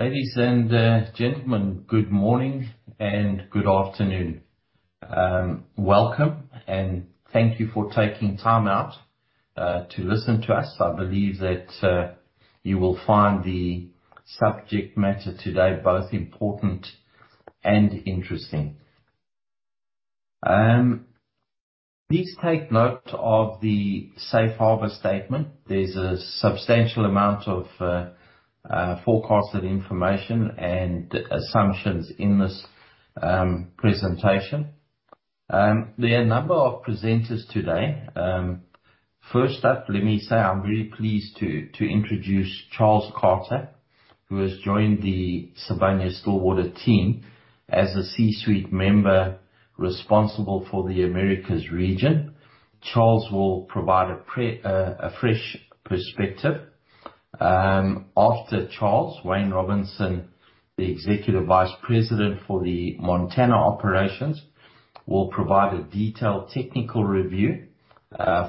Ladies and gentlemen, good morning and good afternoon. Welcome and thank you for taking time out to listen to us. I believe that you will find the subject matter today both important and interesting. Please take note of the safe harbor statement. There's a substantial amount of forecasted information and assumptions in this presentation. There are a number of presenters today. First up, let me say I'm very pleased to introduce Charles Carter, who has joined the Sibanye-Stillwater team as a C-suite member responsible for the Americas region. Charles will provide a fresh perspective. After Charles, Wayne Robinson, the Executive Vice President for the Montana operations, will provide a detailed technical review,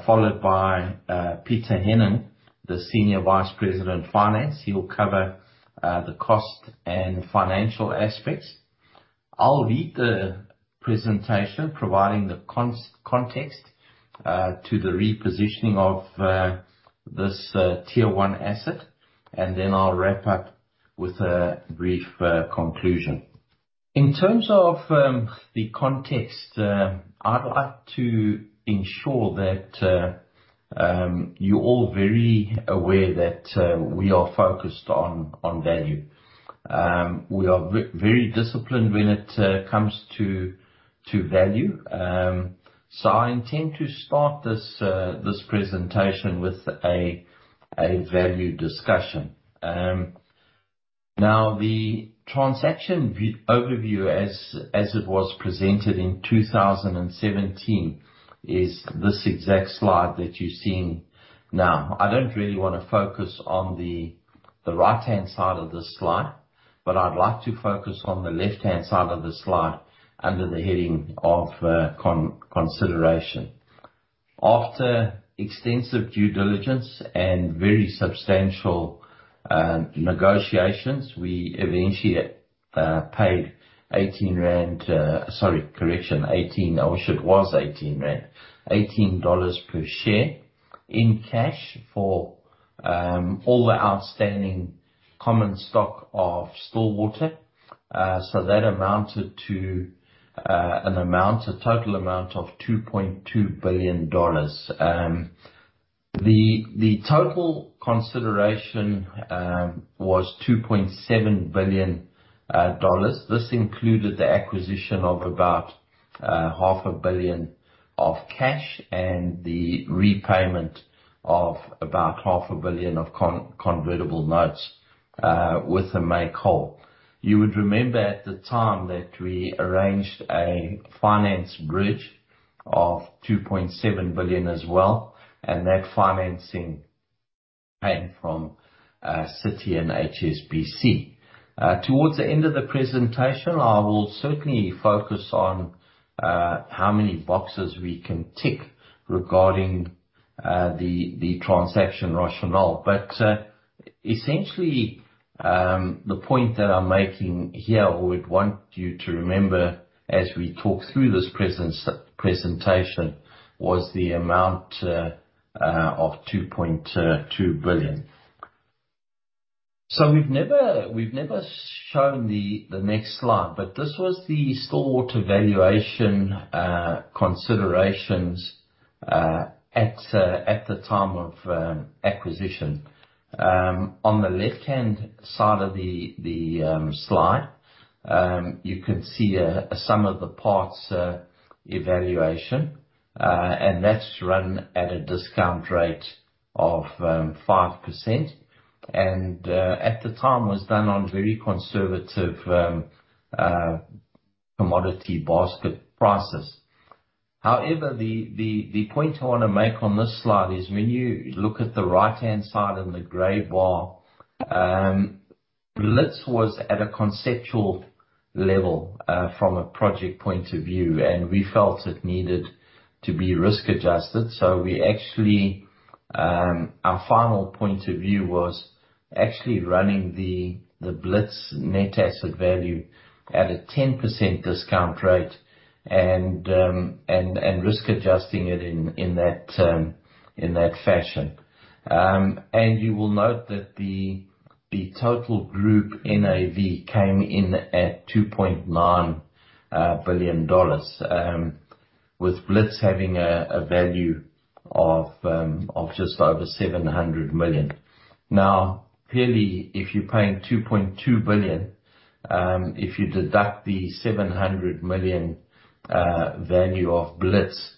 followed by Pieter Henning, the Senior Vice President, Finance. He will cover the cost and financial aspects. I'll lead the presentation, providing the context to the repositioning of this Tier 1 asset, and then I'll wrap up with a brief conclusion. In terms of the context, I'd like to ensure that you're all very aware that we are focused on value. We are very disciplined when it comes to value. I intend to start this presentation with a value discussion. Now, the transaction overview as it was presented in 2017 is this exact slide that you're seeing now. I don't really wanna focus on the right-hand side of this slide, but I'd like to focus on the left-hand side of the slide under the heading of consideration. After extensive due diligence and very substantial negotiations, we eventually paid $18 per share in cash for all the outstanding common stock of Stillwater. So that amounted to a total amount of $2.2 billion. The total consideration was $2.7 billion. This included the acquisition of about $0.5 Billion of cash and the repayment of about $0.5 billion of convertible notes with a make-whole. You would remember at the time that we arranged a financing bridge of $2.7 billion as well, and that financing came from Citi and HSBC. Towards the end of the presentation, I will certainly focus on how many boxes we can tick regarding the transaction rationale. Essentially, the point that I'm making here or would want you to remember as we talk through this presentation was the amount of 2.2 billion. We've never shown the next slide, but this was the Stillwater valuation considerations at the time of acquisition. On the left-hand side of the slide, you can see a sum-of-the-parts evaluation, and that's run at a discount rate of 5% and at the time was done on very conservative commodity basket prices. However, the point I wanna make on this slide is when you look at the right-hand side in the gray bar, Blitz was at a conceptual level, from a project point of view, and we felt it needed to be risk-adjusted. We actually, our final point of view was actually running the Blitz net asset value at a 10% discount rate and risk adjusting it in that fashion. You will note that the total group NAV came in at $2.9 billion, with Blitz having a value of just over $700 million. Clearly, if you're paying 2.2 billion, if you deduct the 700 million value of Blitz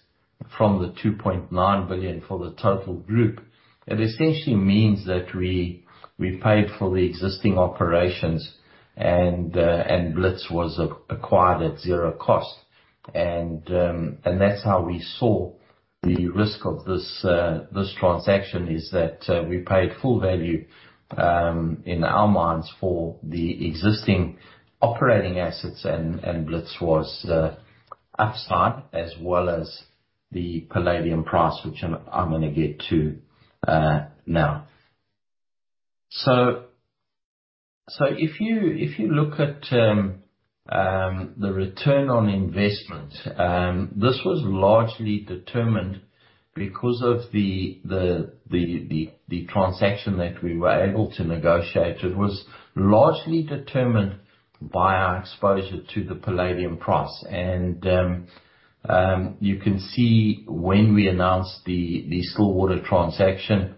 from the 2.9 billion for the total group, it essentially means that we paid for the existing operations and Blitz was acquired at zero cost. That's how we saw the risk of this transaction is that we paid full value, in our minds, for the existing operating assets and Blitz was upside as well as the palladium price, which I'm gonna get to now. If you look at the return on investment, this was largely determined because of the transaction that we were able to negotiate. It was largely determined by our exposure to the palladium price. You can see when we announced the Stillwater transaction,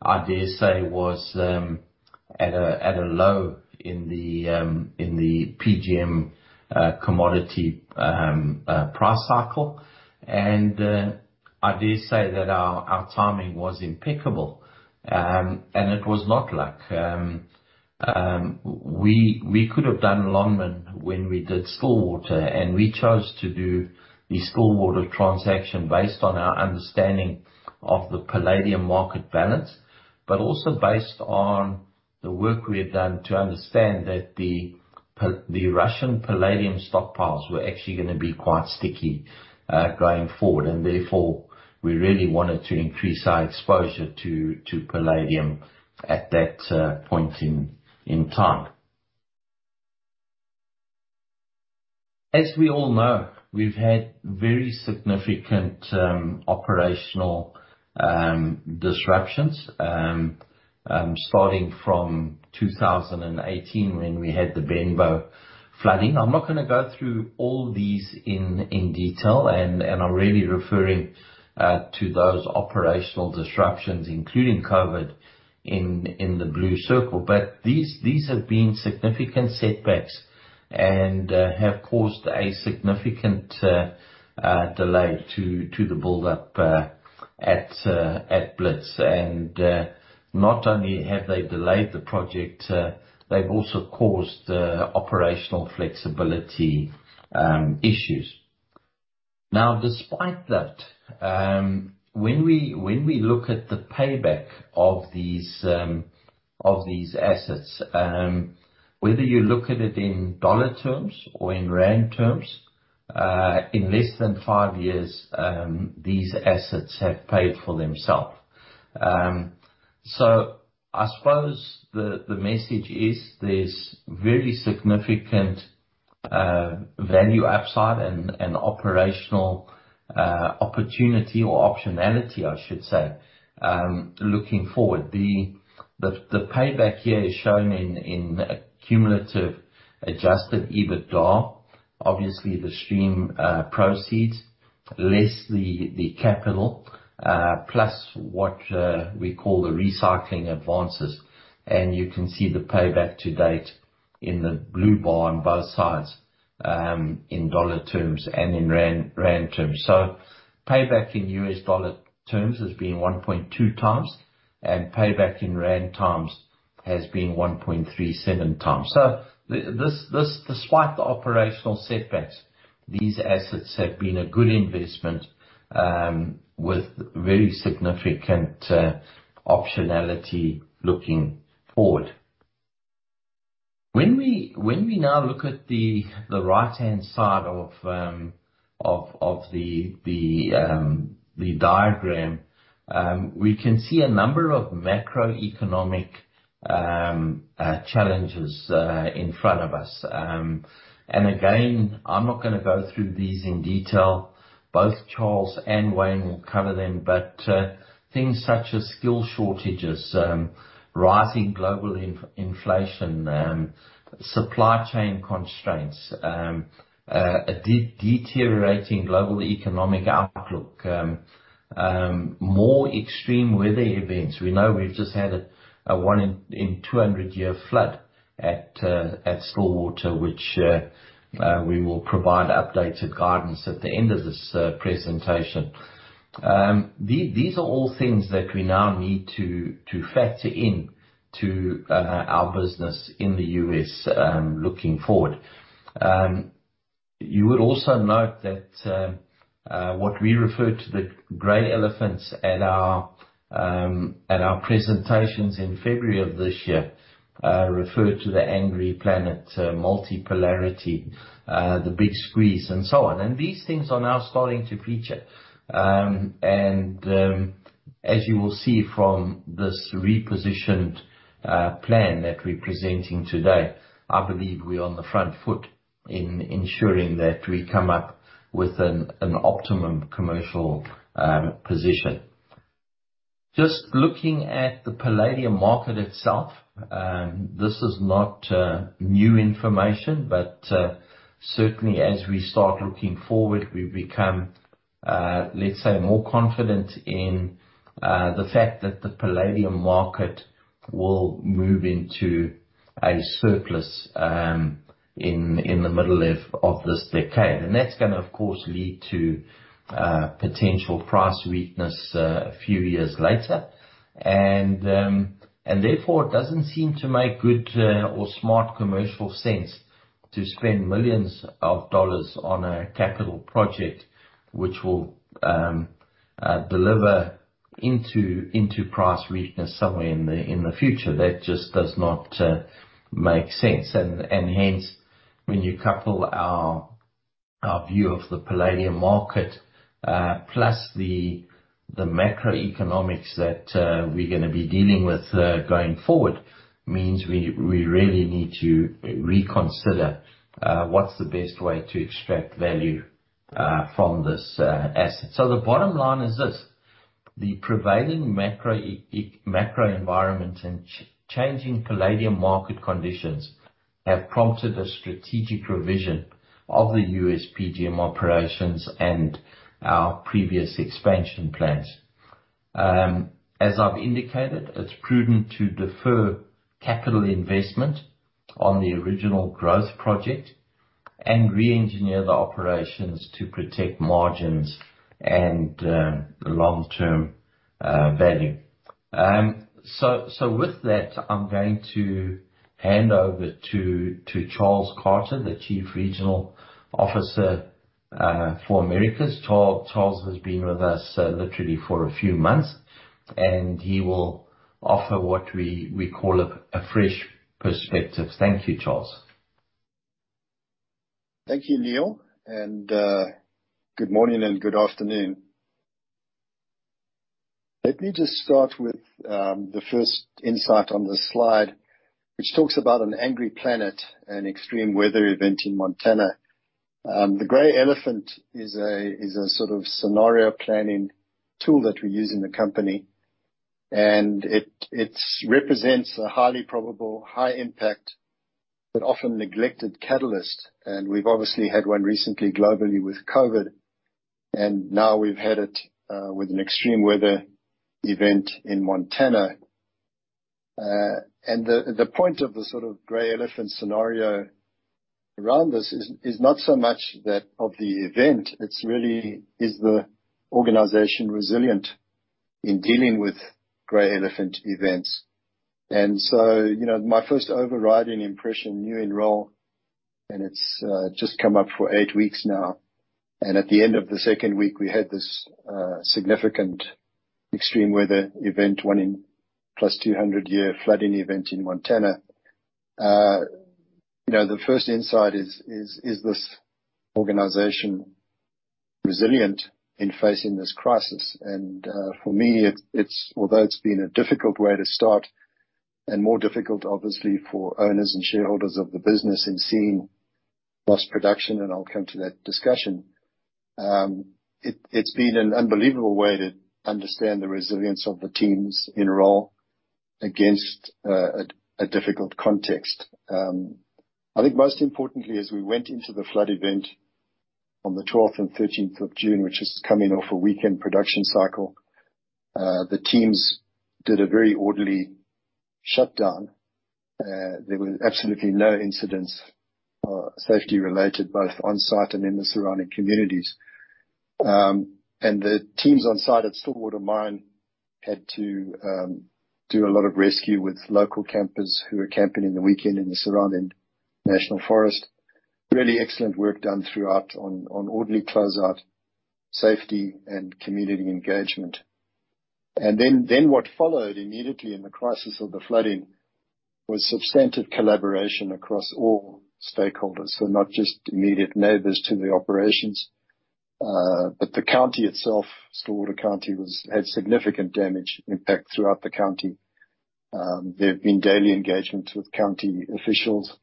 I dare say it was at a low in the PGM commodity price cycle. I dare say that our timing was impeccable. It was not like we could have done Lonmin when we did Stillwater, and we chose to do the Stillwater transaction based on our understanding of the palladium market balance, but also based on the work we had done to understand that the Russian palladium stockpiles were actually gonna be quite sticky going forward. Therefore, we really wanted to increase our exposure to palladium at that point in time. As we all know, we've had very significant operational disruptions starting from 2018 when we had the Benbow flooding. I'm not gonna go through all these in detail, and I'm really referring to those operational disruptions, including COVID in the blue circle. These have been significant setbacks and have caused a significant delay to the buildup at Blitz. Not only have they delayed the project, they've also caused operational flexibility issues. Now, despite that, when we look at the payback of these assets, whether you look at it in dollar terms or in rand terms, in less than five years, these assets have paid for themselves. I suppose the message is there's very significant value upside and operational opportunity or optionality, I should say, looking forward. The payback here is shown in cumulative Adjusted EBITDA. Obviously, the stream proceeds less the capital plus what we call the recycling advances. You can see the payback to date in the blue bar on both sides, in dollar terms and in rand terms. Payback in U.S. dollar terms has been 1.2x, and payback in rand terms has been 1.37x. This despite the operational setbacks, these assets have been a good investment with very significant optionality looking forward. When we now look at the right-hand side of the diagram, we can see a number of macroeconomic challenges in front of us. Again, I'm not gonna go through these in detail. Both Charles and Wayne will cover them, but things such as skill shortages, rising global inflation, supply chain constraints, deteriorating global economic outlook, more extreme weather events. We know we've just had a one in 200 year flood at Stillwater, which we will provide updated guidance at the end of this presentation. These are all things that we now need to factor into our business in the U.S., looking forward. You would also note that what we refer to the gray elephants at our presentations in February of this year referred to the angry planet, multipolarity, the big squeeze and so on. These things are now starting to feature. As you will see from this repositioned plan that we're presenting today, I believe we're on the front foot in ensuring that we come up with an optimum commercial position. Just looking at the palladium market itself, this is not new information, but certainly as we start looking forward, we become, let's say, more confident in the fact that the palladium market will move into a surplus in the middle of this decade. That's gonna, of course, lead to potential price weakness a few years later. Therefore, it doesn't seem to make good or smart commercial sense to spend millions of dollars on a capital project which will deliver into price weakness somewhere in the future. That just does not make sense. Hence, when you couple our view of the palladium market plus the macroeconomics that we're gonna be dealing with going forward, means we really need to reconsider what's the best way to extract value from this asset. The bottom line is this, the prevailing macro environment and changing palladium market conditions have prompted a strategic revision of the U.S. PGM operations and our previous expansion plans. As I've indicated, it's prudent to defer capital investment on the original growth project and re-engineer the operations to protect margins and long-term value. With that, I'm going to hand over to Charles Carter, the Chief Regional Officer for Americas. Charles has been with us literally for a few months, and he will offer what we call a fresh perspective. Thank you, Charles. Thank you, Neal. Good morning and good afternoon. Let me just start with the first insight on this slide, which talks about an angry planet and extreme weather event in Montana. The gray elephant is a sort of scenario planning tool that we use in the company, and it represents a highly probable, high impact, but often neglected catalyst. We've obviously had one recently globally with COVID, and now we've had it with an extreme weather event in Montana. The point of the sort of gray elephant scenario around this is not so much that of the event. It's really the organization resilient in dealing with gray elephant events? You know, my first overriding impression, new in role, and it's just come up for eight weeks now, and at the end of the second week, we had this significant extreme weather event, one-in-200-year flooding event in Montana. You know, the first insight is this organization resilient in facing this crisis? For me, it's, although it's been a difficult way to start, and more difficult, obviously, for owners and shareholders of the business in seeing lost production, and I'll come to that discussion, it's been an unbelievable way to understand the resilience of the teams in role against a difficult context. I think most importantly, as we went into the flood event on the 12th and 15th of June, which is coming off a weekend production cycle, the teams did a very orderly shutdown. There were absolutely no incidents, safety-related, both on site and in the surrounding communities. The teams on site at Stillwater Mine had to do a lot of rescue with local campers who were camping in the weekend in the surrounding national forest. Really excellent work done throughout on orderly closeout, safety, and community engagement. What followed immediately in the crisis of the flooding was substantive collaboration across all stakeholders. Not just immediate neighbors to the operations, but the county itself, Stillwater County, had significant damage impact throughout the county. There have been daily engagements with county officials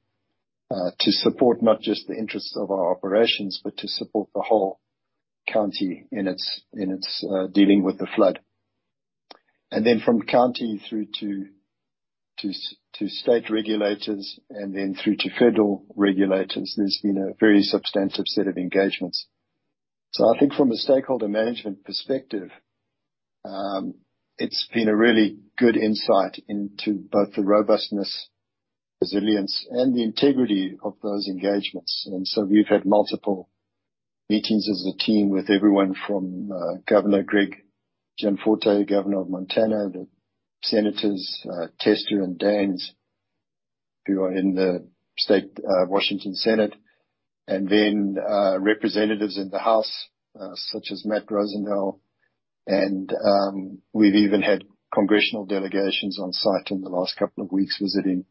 to support not just the interests of our operations, but to support the whole county in its dealing with the flood. Then from county through to state regulators and then through to federal regulators, there's been a very substantive set of engagements. I think from a stakeholder management perspective, it's been a really good insight into both the robustness, resilience, and the integrity of those engagements. We've had multiple meetings as a team with everyone from Governor Greg Gianforte, Governor of Montana, Senators Tester and Daines, who are in the U.S. Senate. Representatives in the House such as Matt Rosendale. We've even had congressional delegations on site in the last couple of weeks visiting.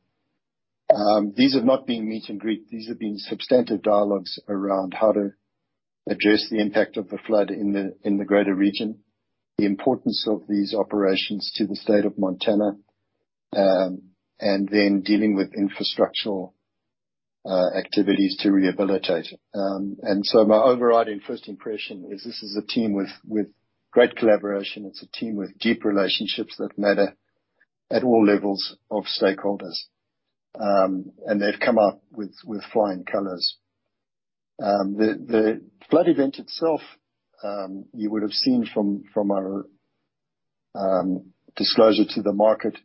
These have not been meet and greet. These have been substantive dialogues around how to address the impact of the flood in the greater region, the importance of these operations to the state of Montana, and then dealing with infrastructural activities to rehabilitate. My overriding first impression is this is a team with great collaboration. It's a team with deep relationships that matter at all levels of stakeholders. They've come up with flying colors. The flood event itself, you would have seen from our disclosure to the market,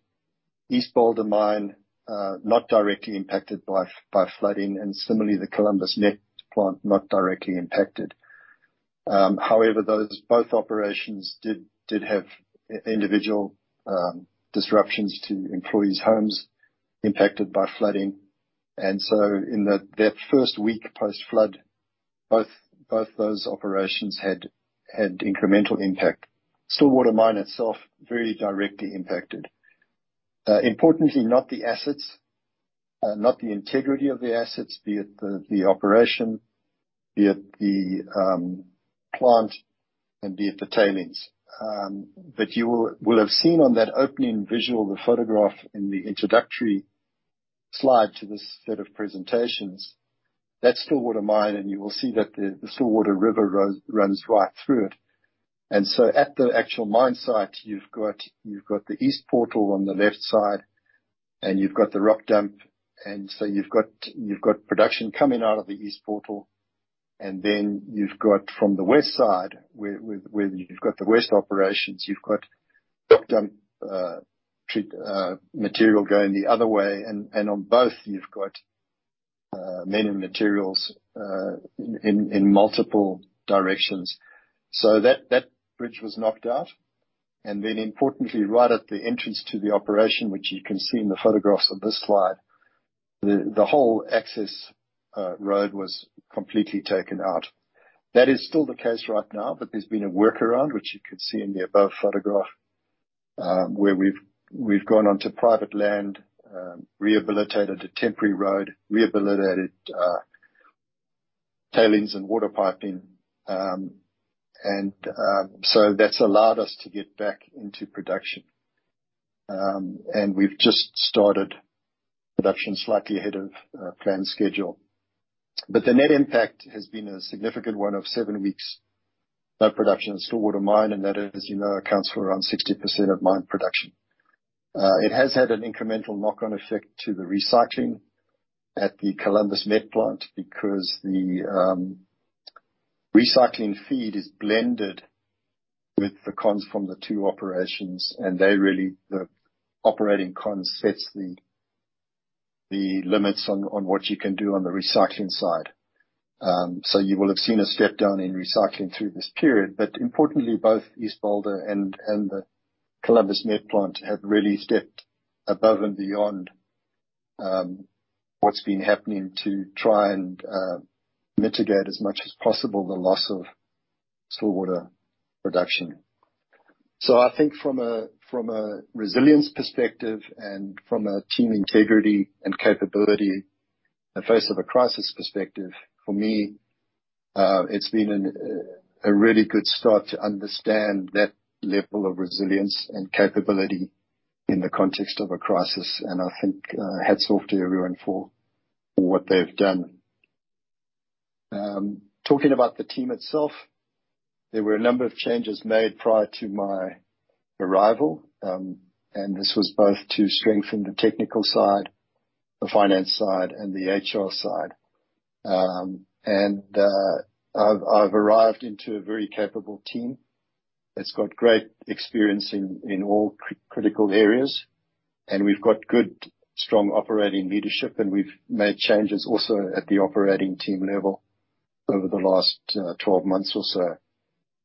East Boulder Mine not directly impacted by flooding, and similarly, the Columbus Met Plant, not directly impacted. However, both those operations did have individual disruptions to employees' homes impacted by flooding. In that first week post-flood, both those operations had incremental impact. Stillwater Mine itself very directly impacted. Importantly, not the assets, not the integrity of the assets, be it the operation, be it the plant and be it the tailings. But you will have seen on that opening visual, the photograph in the introductory slide to this set of presentations, that's Stillwater Mine, and you will see that the Stillwater River runs right through it. At the actual mine site, you've got the east portal on the left side, and you've got the rock dump. You've got production coming out of the east portal, and then you've got from the west side, where you've got the west operations, you've got dump treat material going the other way. On both, you've got many materials in multiple directions. That bridge was knocked out. Then importantly, right at the entrance to the operation, which you can see in the photographs of this slide, the whole access road was completely taken out. That is still the case right now, but there's been a workaround, which you can see in the above photograph, where we've gone onto private land, rehabilitated a temporary road, rehabilitated tailings and water piping. That's allowed us to get back into production. We've just started production slightly ahead of planned schedule. The net impact has been a significant one of seven weeks no production at Stillwater Mine, and that as you know, accounts for around 60% of mine production. It has had an incremental knock-on effect to the recycling at the Columbus Met plant because the recycling feed is blended with the cons from the two operations, and they really the operating cons sets the limits on what you can do on the recycling side. You will have seen a step down in recycling through this period, but importantly, both East Boulder and the Columbus Met plant have really stepped above and beyond what's been happening to try and mitigate as much as possible the loss of Stillwater production. I think from a resilience perspective and from a team integrity and capability in the face of a crisis perspective, for me, it's been a really good start to understand that level of resilience and capability in the context of a crisis. I think hats off to everyone for what they've done. Talking about the team itself, there were a number of changes made prior to my arrival, and this was both to strengthen the technical side, the finance side, and the HR side. I've arrived into a very capable team that's got great experience in all critical areas, and we've got good, strong operating leadership, and we've made changes also at the operating team level over the last 12 months or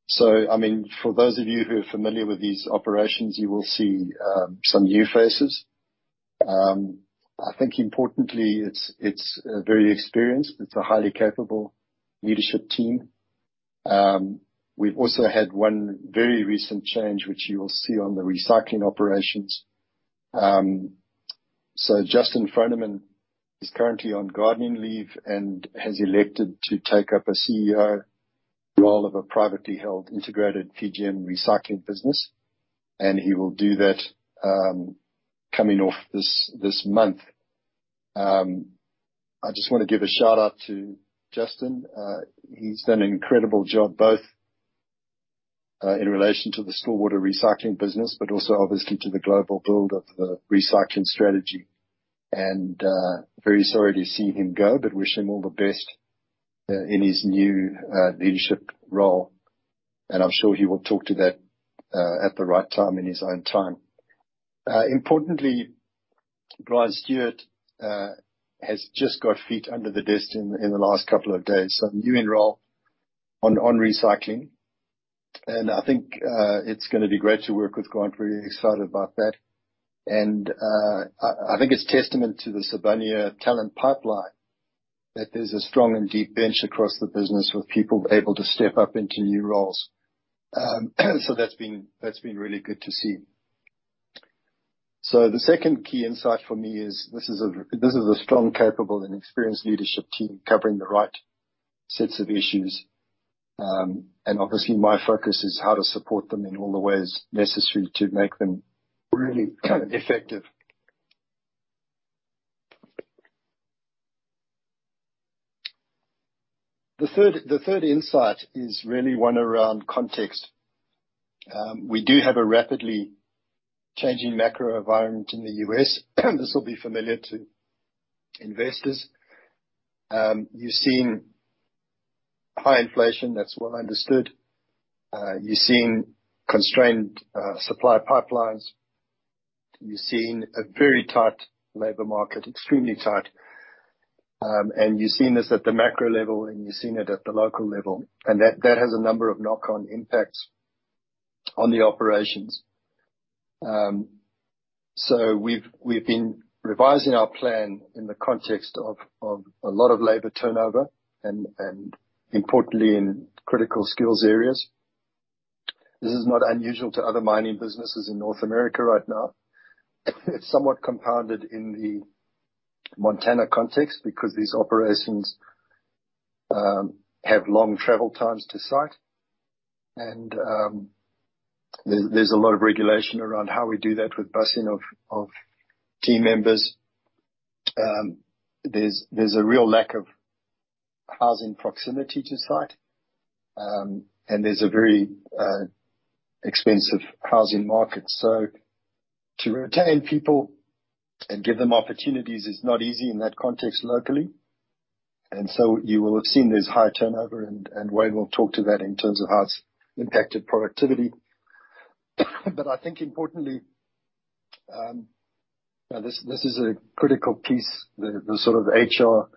so. I mean, for those of you who are familiar with these operations, you will see some new faces. I think importantly, it's very experienced. It's a highly capable leadership team. We've also had one very recent change, which you will see on the recycling operations. Justin Froneman is currently on gardening leave and has elected to take up a CEO role of a privately held integrated Fijian recycling business, and he will do that coming off this month. I just wanna give a shout-out to Justin. He's done an incredible job, both in relation to the Stillwater Recycling business, but also obviously to the global build of the recycling strategy. Very sorry to see him go, but wish him all the best in his new leadership role. I'm sure he will talk to that at the right time, in his own time. Importantly, Grant Stewart has just got feet under the desk in the last couple of days, so new in role on recycling. I think it's gonna be great to work with Grant. Really excited about that. I think it's testament to the Sibanye talent pipeline that there's a strong and deep bench across the business with people able to step up into new roles. That's been really good to see. The second key insight for me is this is a strong, capable and experienced leadership team covering the right sets of issues. Obviously my focus is how to support them in all the ways necessary to make them really effective. The third insight is really one around context. We do have a rapidly changing macro environment in the U.S.. This will be familiar to investors. You're seeing high inflation. That's well understood. You're seeing constrained supply pipelines. You're seeing a very tight labor market, extremely tight. And you're seeing this at the macro level, and you're seeing it at the local level. That has a number of knock-on impacts on the operations. So we've been revising our plan in the context of a lot of labor turnover and importantly, in critical skills areas. This is not unusual to other mining businesses in North America right now. It's somewhat compounded in the Montana context because these operations have long travel times to site and there's a lot of regulation around how we do that with busing of team members. There's a real lack of housing proximity to site. There's a very expensive housing market. To retain people and give them opportunities is not easy in that context locally. You will have seen there's high turnover and Wayne will talk to that in terms of how it's impacted productivity. I think importantly, you know, this is a critical piece. The sort of HR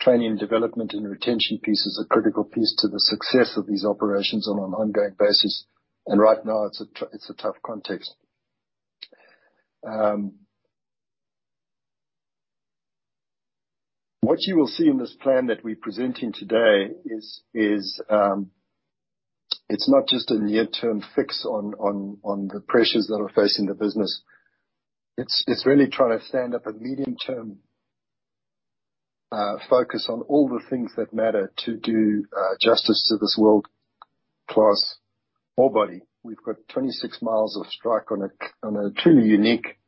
training and development and retention piece is a critical piece to the success of these operations on an ongoing basis. Right now, it's a tough context. What you will see in this plan that we're presenting today is it's not just a near-term fix on the pressures that are facing the business. It's really trying to stand up a medium-term focus on all the things that matter to do justice to this world-class ore body. We've got 26 miles of strike on a truly unique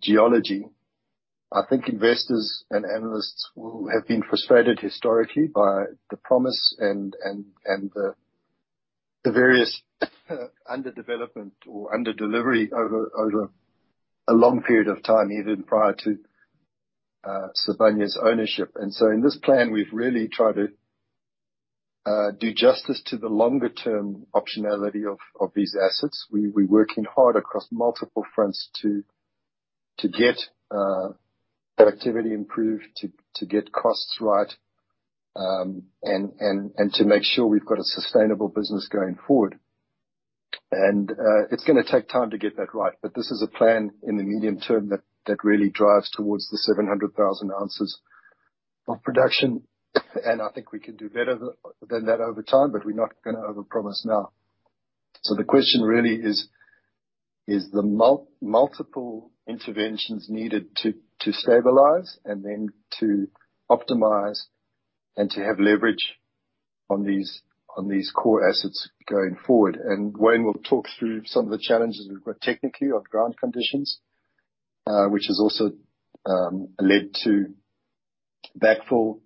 geology. I think investors and analysts will have been frustrated historically by the promise and the various under development or under delivery over a long period of time, even prior to Sibanye-Stillwater's ownership. In this plan, we've really tried to do justice to the longer term optionality of these assets. We're working hard across multiple fronts to get productivity improved, to get costs right, and to make sure we've got a sustainable business going forward. It's gonna take time to get that right. This is a plan in the medium term that really drives towards the 700,000 oz of production. I think we can do better than that over time, but we're not gonna overpromise now. The question really is the multiple interventions needed to stabilize and then to optimize and to have leverage on these core assets going forward. Wayne will talk through some of the challenges we've got technically on ground conditions, which has also led to backfill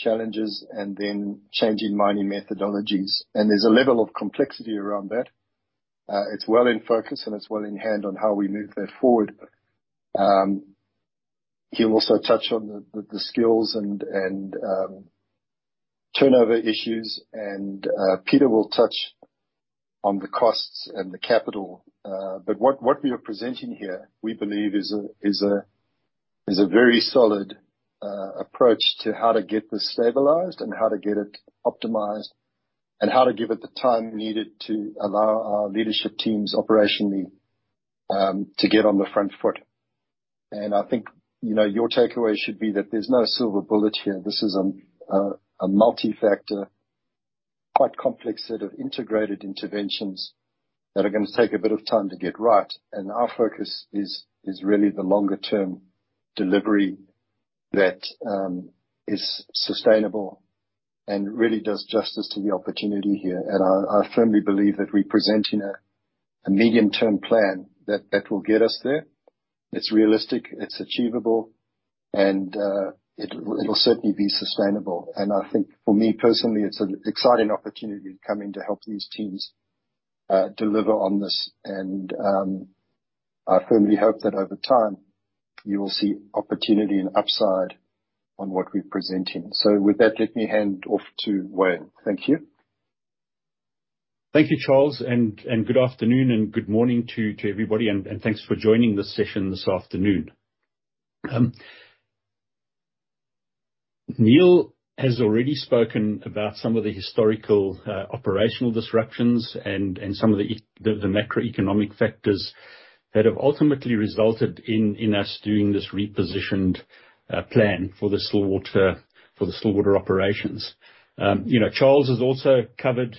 challenges and then changing mining methodologies. There's a level of complexity around that. It's well in focus, and it's well in hand on how we move that forward. He'll also touch on the skills and turnover issues and Pieter will touch on the costs and the capital. But what we are presenting here, we believe is a very solid approach to how to get this stabilized and how to get it optimized and how to get it the time needed to allow our leadership teams operationally to get on the front foot. I think, you know, your takeaway should be that there's no silver bullet here. This is a multi-factor, quite complex set of integrated interventions that are gonna take a bit of time to get right. Our focus is really the longer term delivery that is sustainable and really does justice to the opportunity here. I firmly believe that we're presenting a medium-term plan that will get us there. It's realistic, it's achievable, and it'll certainly be sustainable. I think for me personally, it's an exciting opportunity to come in to help these teams deliver on this. I firmly hope that over time you will see opportunity and upside on what we're presenting. With that, let me hand off to Wayne. Thank you. Thank you, Charles, and good afternoon and good morning to everybody, and thanks for joining this session this afternoon. Neal has already spoken about some of the historical operational disruptions and some of the macroeconomic factors that have ultimately resulted in us doing this repositioned plan for the Stillwater operations. You know, Charles has also covered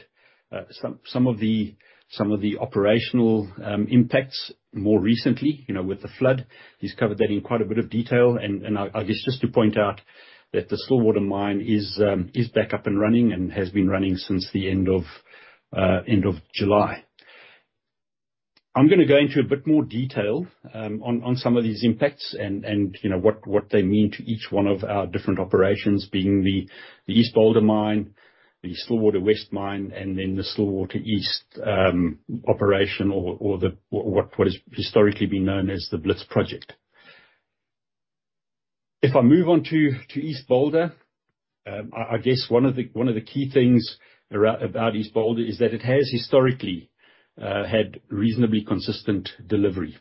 some of the operational impacts more recently, you know, with the flood. He's covered that in quite a bit of detail. I guess just to point out that the Stillwater mine is back up and running and has been running since the end of July. I'm gonna go into a bit more detail, on some of these impacts and, you know, what they mean to each one of our different operations, being the East Boulder Mine, the Stillwater West Mine, and then the Stillwater East operation or the what has historically been known as the Blitz Project. If I move on to East Boulder, I guess one of the key things about East Boulder is that it has historically had reasonably consistent delivery.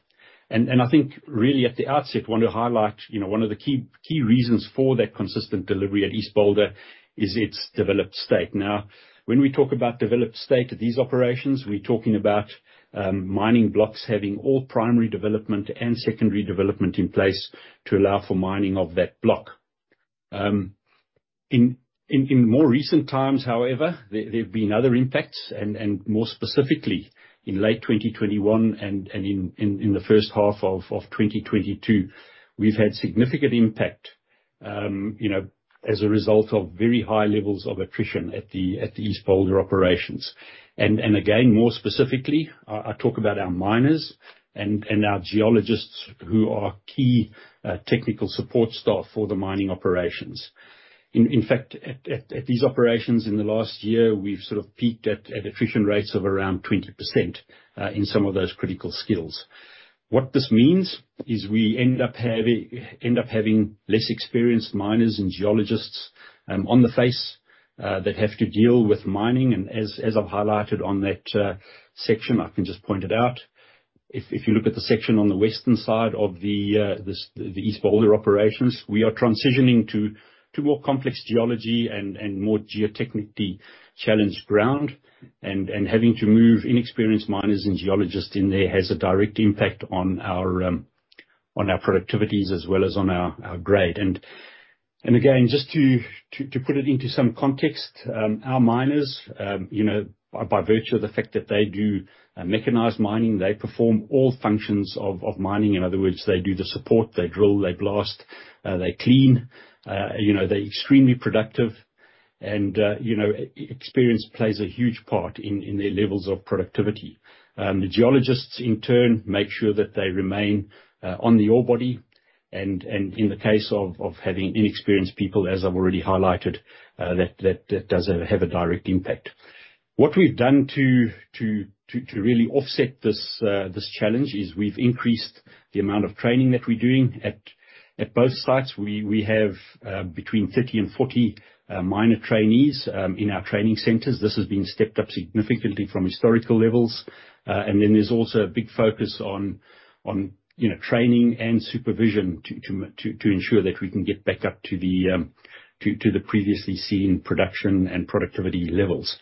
I think really at the outset, want to highlight, you know, one of the key reasons for that consistent delivery at East Boulder is its developed state. Now, when we talk about developed state of these operations, we're talking about mining blocks having all primary development and secondary development in place to allow for mining of that block. In more recent times, however, there've been other impacts, and more specifically in late 2021 and in the first half of 2022, we've had significant impact, you know, as a result of very high levels of attrition at the East Boulder operations. Again, more specifically, I talk about our miners and our geologists who are key technical support staff for the mining operations. In fact, at these operations in the last year, we've sort of peaked at attrition rates of around 20% in some of those critical skills. What this means is we end up having less experienced miners and geologists on the face that have to deal with mining. As I've highlighted on that section, I can just point it out. If you look at the section on the western side of the East Boulder operations, we are transitioning to more complex geology and more geotechnically challenged ground. Having to move inexperienced miners and geologists in there has a direct impact on our productivities as well as on our grade. Again, just to put it into some context, our miners, you know, by virtue of the fact that they do mechanized mining, they perform all functions of mining. In other words, they do the support, they drill, they blast, they clean. You know, they're extremely productive, and experience plays a huge part in their levels of productivity. The geologists in turn make sure that they remain on the ore body. In the case of having inexperienced people, as I've already highlighted, that does have a direct impact. What we've done to really offset this challenge is we've increased the amount of training that we're doing at both sites. We have between 30 miner trainees and 40 miner trainees in our training centers. This has been stepped up significantly from historical levels. There's also a big focus on you know training and supervision to ensure that we can get back up to the previously seen production and productivity levels.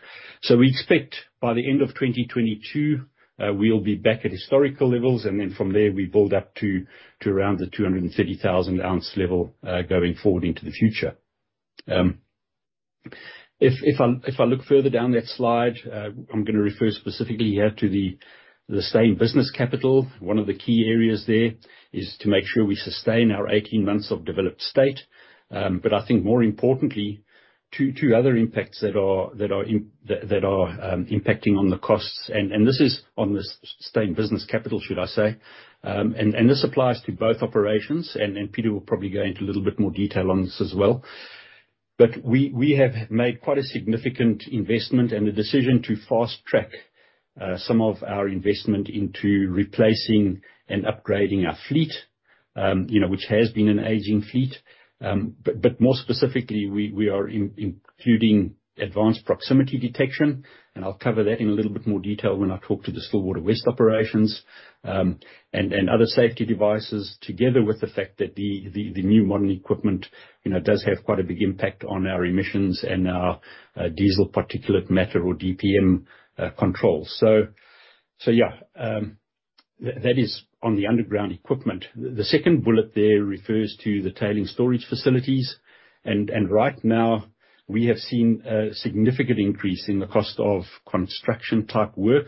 We expect by the end of 2022 we'll be back at historical levels and then from there we build up to around the 230,000 oz level going forward into the future. If I look further down that slide I'm gonna refer specifically here to the SA business CapEx. One of the key areas there is to make sure we sustain our 18 months of developed state. But I think more importantly two other impacts that are impacting on the costs. This is on the sustained business capital, should I say. This applies to both operations. Pieter will probably go into a little bit more detail on this as well. We have made quite a significant investment and a decision to fast-track some of our investment into replacing and upgrading our fleet, you know, which has been an aging fleet. More specifically, we are including advanced proximity detection, and I'll cover that in a little bit more detail when I talk to the Stillwater West operations, and other safety devices together with the fact that the new modern equipment, you know, does have quite a big impact on our emissions and our diesel particulate matter or DPM controls. That is on the underground equipment. The second bullet there refers to the tailings storage facilities. Right now we have seen a significant increase in the cost of construction type work,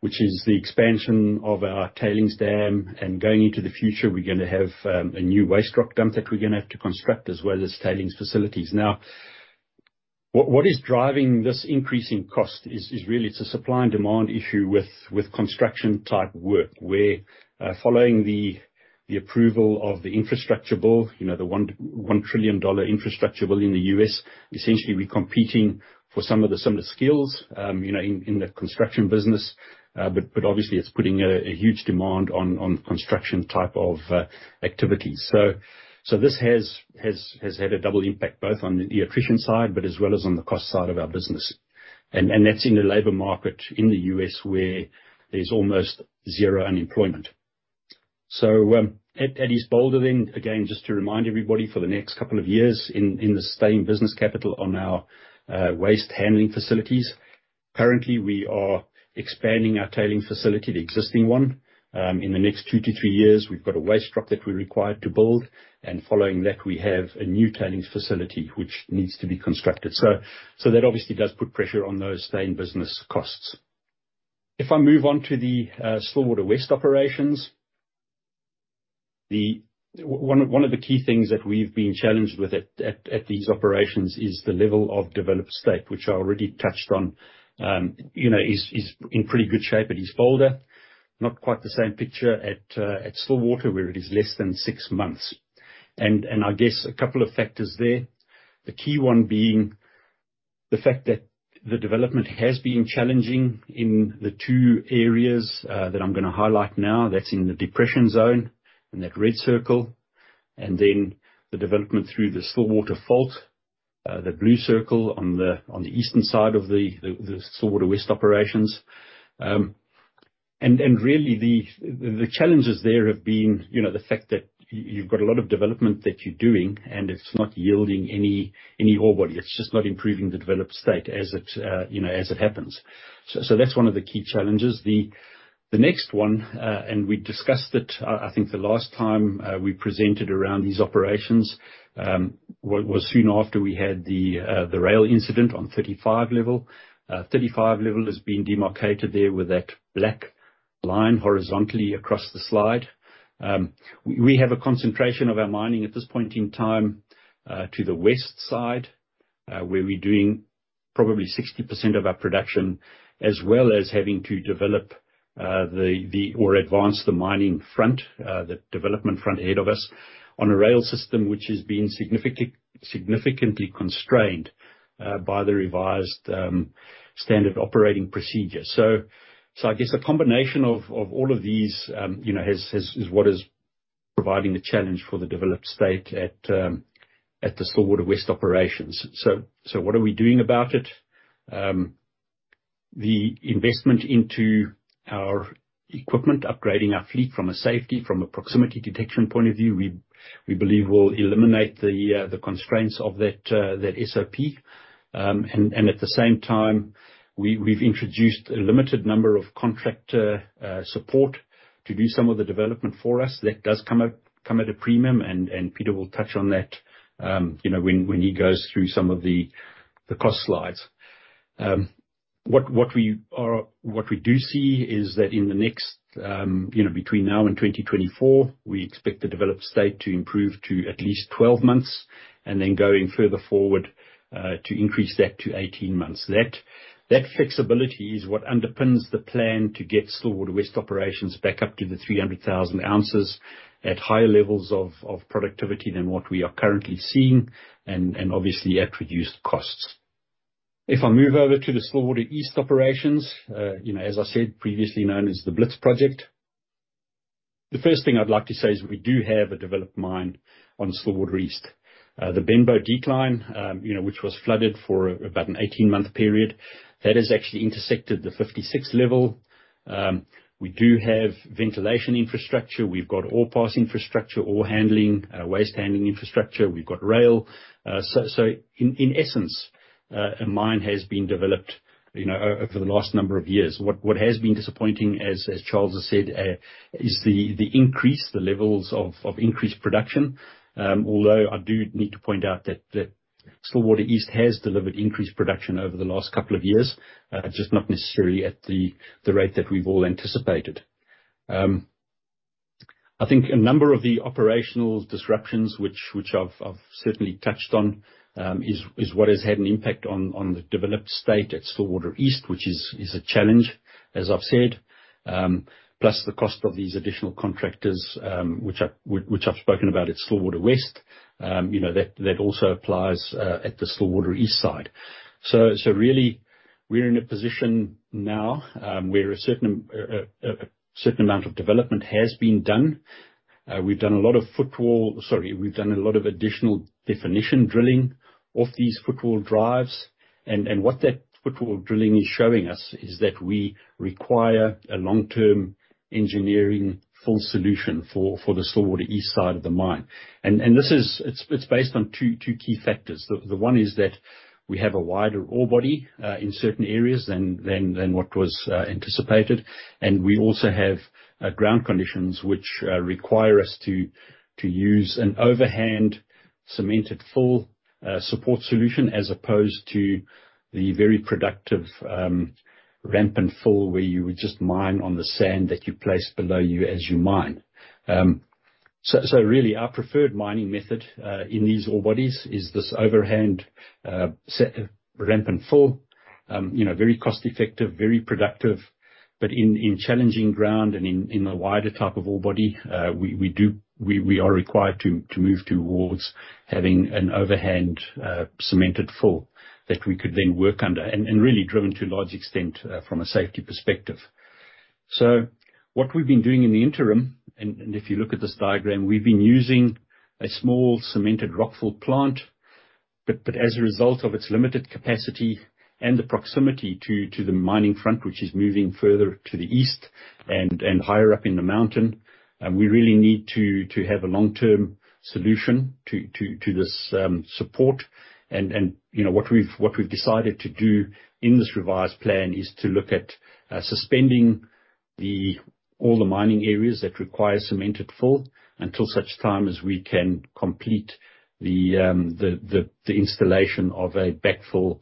which is the expansion of our tailings dam. Going into the future, we're gonna have a new waste rock dump that we're gonna have to construct as well as tailings facilities. Now, what is driving this increase in cost is really it's a supply and demand issue with construction type work, where following the approval of the infrastructure bill, you know, the $1 trillion infrastructure bill in the U.S., essentially we're competing for some of the skills, you know, in the construction business. But obviously it's putting a huge demand on construction type of activities. This has had a double impact both on the attrition side but as well as on the cost side of our business. That's in the labor market in the U.S. where there's almost zero unemployment. At East Boulder then, again, just to remind everybody, for the next couple of years in the sustaining CapEx on our waste handling facilities, currently we are expanding our tailings facility, the existing one. In the next two years-three years, we've got a waste rock that we're required to build, and following that, we have a new tailings facility which needs to be constructed. That obviously does put pressure on those sustaining business costs. If I move on to the Stillwater West operations, one of the key things that we've been challenged with at these operations is the level of developed state, which I already touched on. You know, it is in pretty good shape at East Boulder. Not quite the same picture at Stillwater, where it is less than six months. I guess a couple of factors there. The key one being the fact that the development has been challenging in the two areas that I'm gonna highlight now. That's in the depression zone, in that red circle, and then the development through the Stillwater fault. The blue circle on the eastern side of the Stillwater West operations. Really, the challenges there have been, you know, the fact that you've got a lot of development that you're doing and it's not yielding any ore body. It's just not improving the developed state as it, you know, as it happens. That's one of the key challenges. The next one, and we discussed it, I think the last time we presented around these operations, was soon after we had the rail incident on 35 level. 35 level has been demarcated there with that black line horizontally across the slide. We have a concentration of our mining at this point in time to the west side where we're doing probably 60% of our production, as well as having to develop or advance the mining front, the development front ahead of us on a rail system which has been significantly constrained by the revised standard operating procedure. I guess a combination of all of these, you know, is what is providing the challenge for the developed state at the Stillwater West operations. What are we doing about it? The investment into our equipment, upgrading our fleet from a safety, from a proximity detection point of view, we believe will eliminate the constraints of that SOP. At the same time, we've introduced a limited number of contractor support to do some of the development for us. That does come at a premium and Pieter will touch on that, you know, when he goes through some of the cost slides. What we do see is that in the next, you know, between now and 2024, we expect the developed state to improve to at least 12 months, and then going further forward, to increase that to 18 months. That flexibility is what underpins the plan to get Stillwater West operations back up to the 300,000 oz at higher levels of productivity than what we are currently seeing and obviously at reduced costs. If I move over to the Stillwater East operations, you know, as I said, previously known as the Blitz Project, the first thing I'd like to say is we do have a developed mine on Stillwater East. The Benbow Decline, you know, which was flooded for about an 18-month period, that has actually intersected the 56 level. We do have ventilation infrastructure. We've got ore pass infrastructure, ore handling, waste handling infrastructure. We've got rail. So in essence, a mine has been developed, you know, over the last number of years. What has been disappointing as Charles has said is the increase, the levels of increased production. Although I do need to point out that the Stillwater East has delivered increased production over the last couple of years, just not necessarily at the rate that we've all anticipated. I think a number of the operational disruptions which I've certainly touched on is what has had an impact on the developed state at Stillwater East, which is a challenge, as I've said. Plus the cost of these additional contractors, which I've spoken about at Stillwater West. You know, that also applies at the Stillwater East side. Really we're in a position now, where a certain amount of development has been done. We've done a lot of additional definition drilling of these footwall drives. What that footwall drilling is showing us is that we require a long-term engineering fill solution for the Stillwater East side of the mine. This is based on two key factors. The one is that we have a wider ore body in certain areas than what was anticipated. We also have ground conditions which require us to use an overhand cemented fill support solution as opposed to the very productive ramp and fill where you would just mine on the sand that you place below you as you mine. Really our preferred mining method in these ore bodies is this overhand cemented ramp and fill. You know, very cost effective, very productive. In challenging ground and in the wider type of ore body, we are required to move towards having an overhand cemented fill that we could then work under, and really driven to a large extent from a safety perspective. What we've been doing in the interim, and if you look at this diagram, we've been using a small cemented rock fill plant. As a result of its limited capacity and the proximity to the mining front, which is moving further to the east and higher up in the mountain, we really need to have a long-term solution to this support. What we've decided to do in this revised plan is to look at suspending all the mining areas that require cemented fill until such time as we can complete the installation of a backfill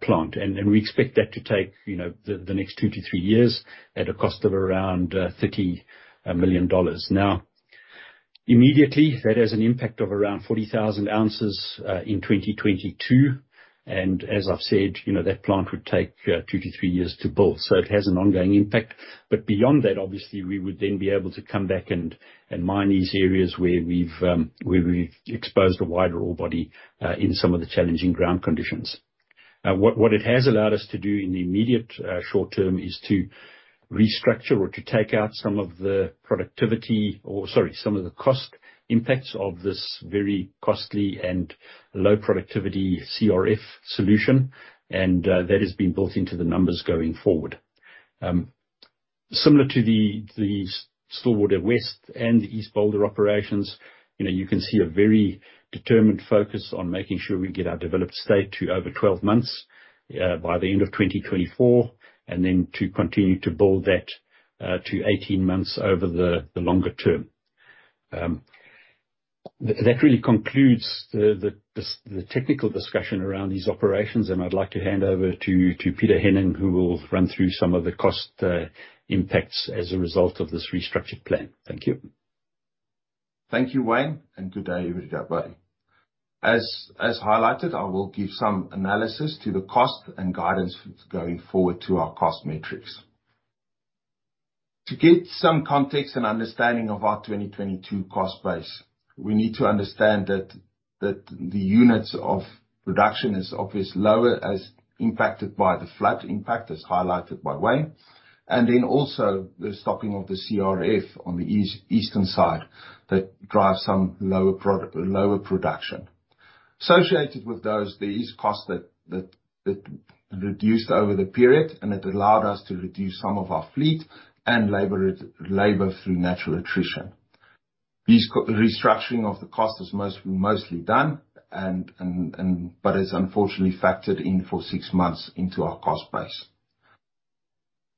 plant. We expect that to take, you know, the next two years-three years at a cost of around $30 million. Now, immediately, that has an impact of around 40,000 oz in 2022. As I've said, you know, that plant would take two years-three years to build. It has an ongoing impact. Beyond that, obviously, we would then be able to come back and mine these areas where we've exposed a wider ore body in some of the challenging ground conditions. What it has allowed us to do in the immediate short term is to restructure or to take out some of the productivity, or sorry, some of the cost impacts of this very costly and low productivity CRF solution, and that has been built into the numbers going forward. Similar to the Stillwater West and East Boulder operations, you know, you can see a very determined focus on making sure we get our developed state to over 12 months by the end of 2024, and then to continue to build that to 18 months over the longer term. That really concludes the technical discussion around these operations, and I'd like to hand over to Pieter Henning, who will run through some of the cost impacts as a result of this restructured plan. Thank you. Thank you, Wayne, and good day, everybody. As highlighted, I will give some analysis to the cost and guidance going forward to our cost metrics. To get some context and understanding of our 2022 cost base, we need to understand that the units of production is obviously lower as impacted by the fleet impact, as highlighted by Wayne. Then also the stopping of the CRF on the eastern side that drives some lower production. Associated with those, there is cost that reduced over the period, and it allowed us to reduce some of our fleet and labor through natural attrition. This restructuring of the cost is mostly done, but is unfortunately factored in for six months into our cost base.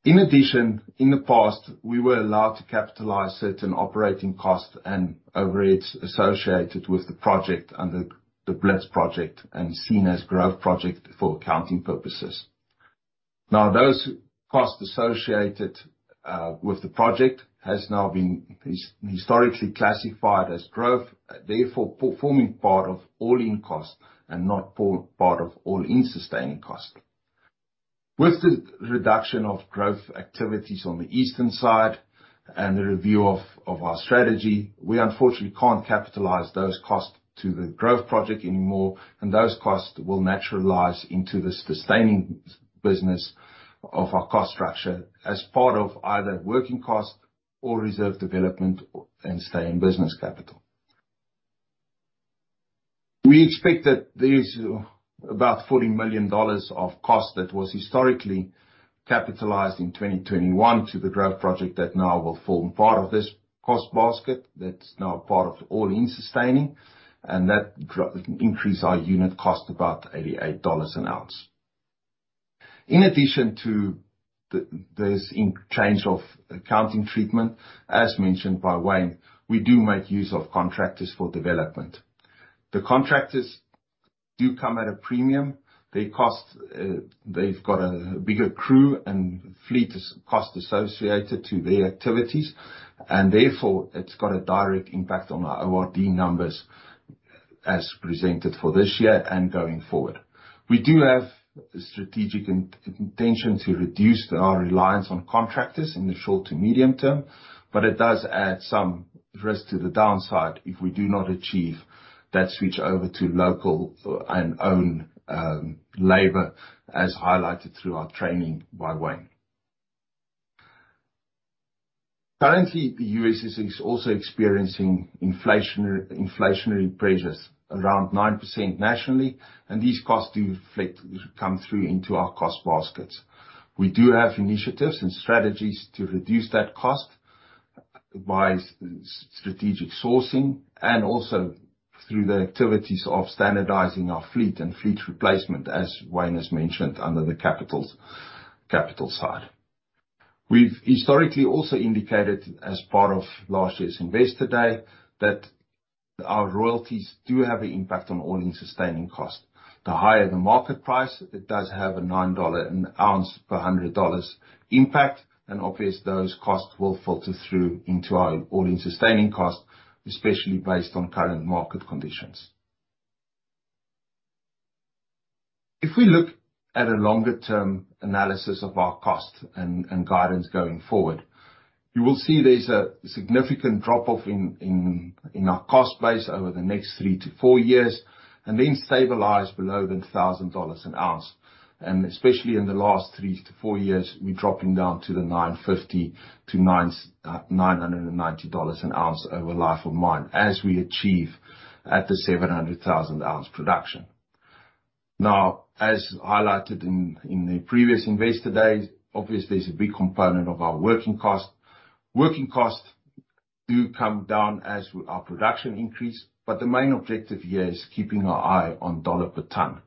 In addition, in the past, we were allowed to capitalize certain operating costs and overheads associated with the project under the Blitz project and seen as growth project for accounting purposes. Now, those costs associated with the project have now been historically classified as growth, therefore forming part of all-in cost and not a part of all-in sustaining cost. With the reduction of growth activities on the eastern side and the review of our strategy, we unfortunately can't capitalize those costs to the growth project anymore, and those costs will naturalize into the sustaining business of our cost structure as part of either working cost or reserve development or stay in business capital. We expect that there is about $40 million of cost that was historically capitalized in 2021 to the growth project that now will form part of this cost basket, that's now part of all-in sustaining, and that increase our unit cost about $88 an ounce. In addition to this change of accounting treatment, as mentioned by Wayne, we do make use of contractors for development. The contractors do come at a premium. They cost, they've got a bigger crew and fleet, it's cost associated to their activities, and therefore, it's got a direct impact on our ORD numbers as presented for this year and going forward. We do have strategic intention to reduce our reliance on contractors in the short to medium term, but it does add some risk to the downside if we do not achieve that switch over to local and own labor, as highlighted through our training by Wayne. Currently, the U.S. is also experiencing inflationary pressures around 9% nationally, and these costs do come through into our cost baskets. We do have initiatives and strategies to reduce that cost by strategic sourcing and also through the activities of standardizing our fleet and fleet replacement, as Wayne has mentioned under the CapEx, capital side. We've historically also indicated as part of last year's Investor Day that our royalties do have an impact on all-in sustaining cost. The higher the market price, it does have a $9 an ounce per $100 impact, and obviously, those costs will filter through into our all-in sustaining cost, especially based on current market conditions. If we look at a longer-term analysis of our cost and guidance going forward, you will see there's a significant drop-off in our cost base over the next three years-four years, and then stabilize below $1,000 an ounce. Especially in the last three years-four years, we're dropping down to the $950 to $990 an ounce over life of mine as we achieve at the 700,000 oz production. Now, as highlighted in the previous Investor Days, obviously it's a big component of our working cost. Working costs do come down as our production increase, but the main objective here is keeping our eye on dollar per ton.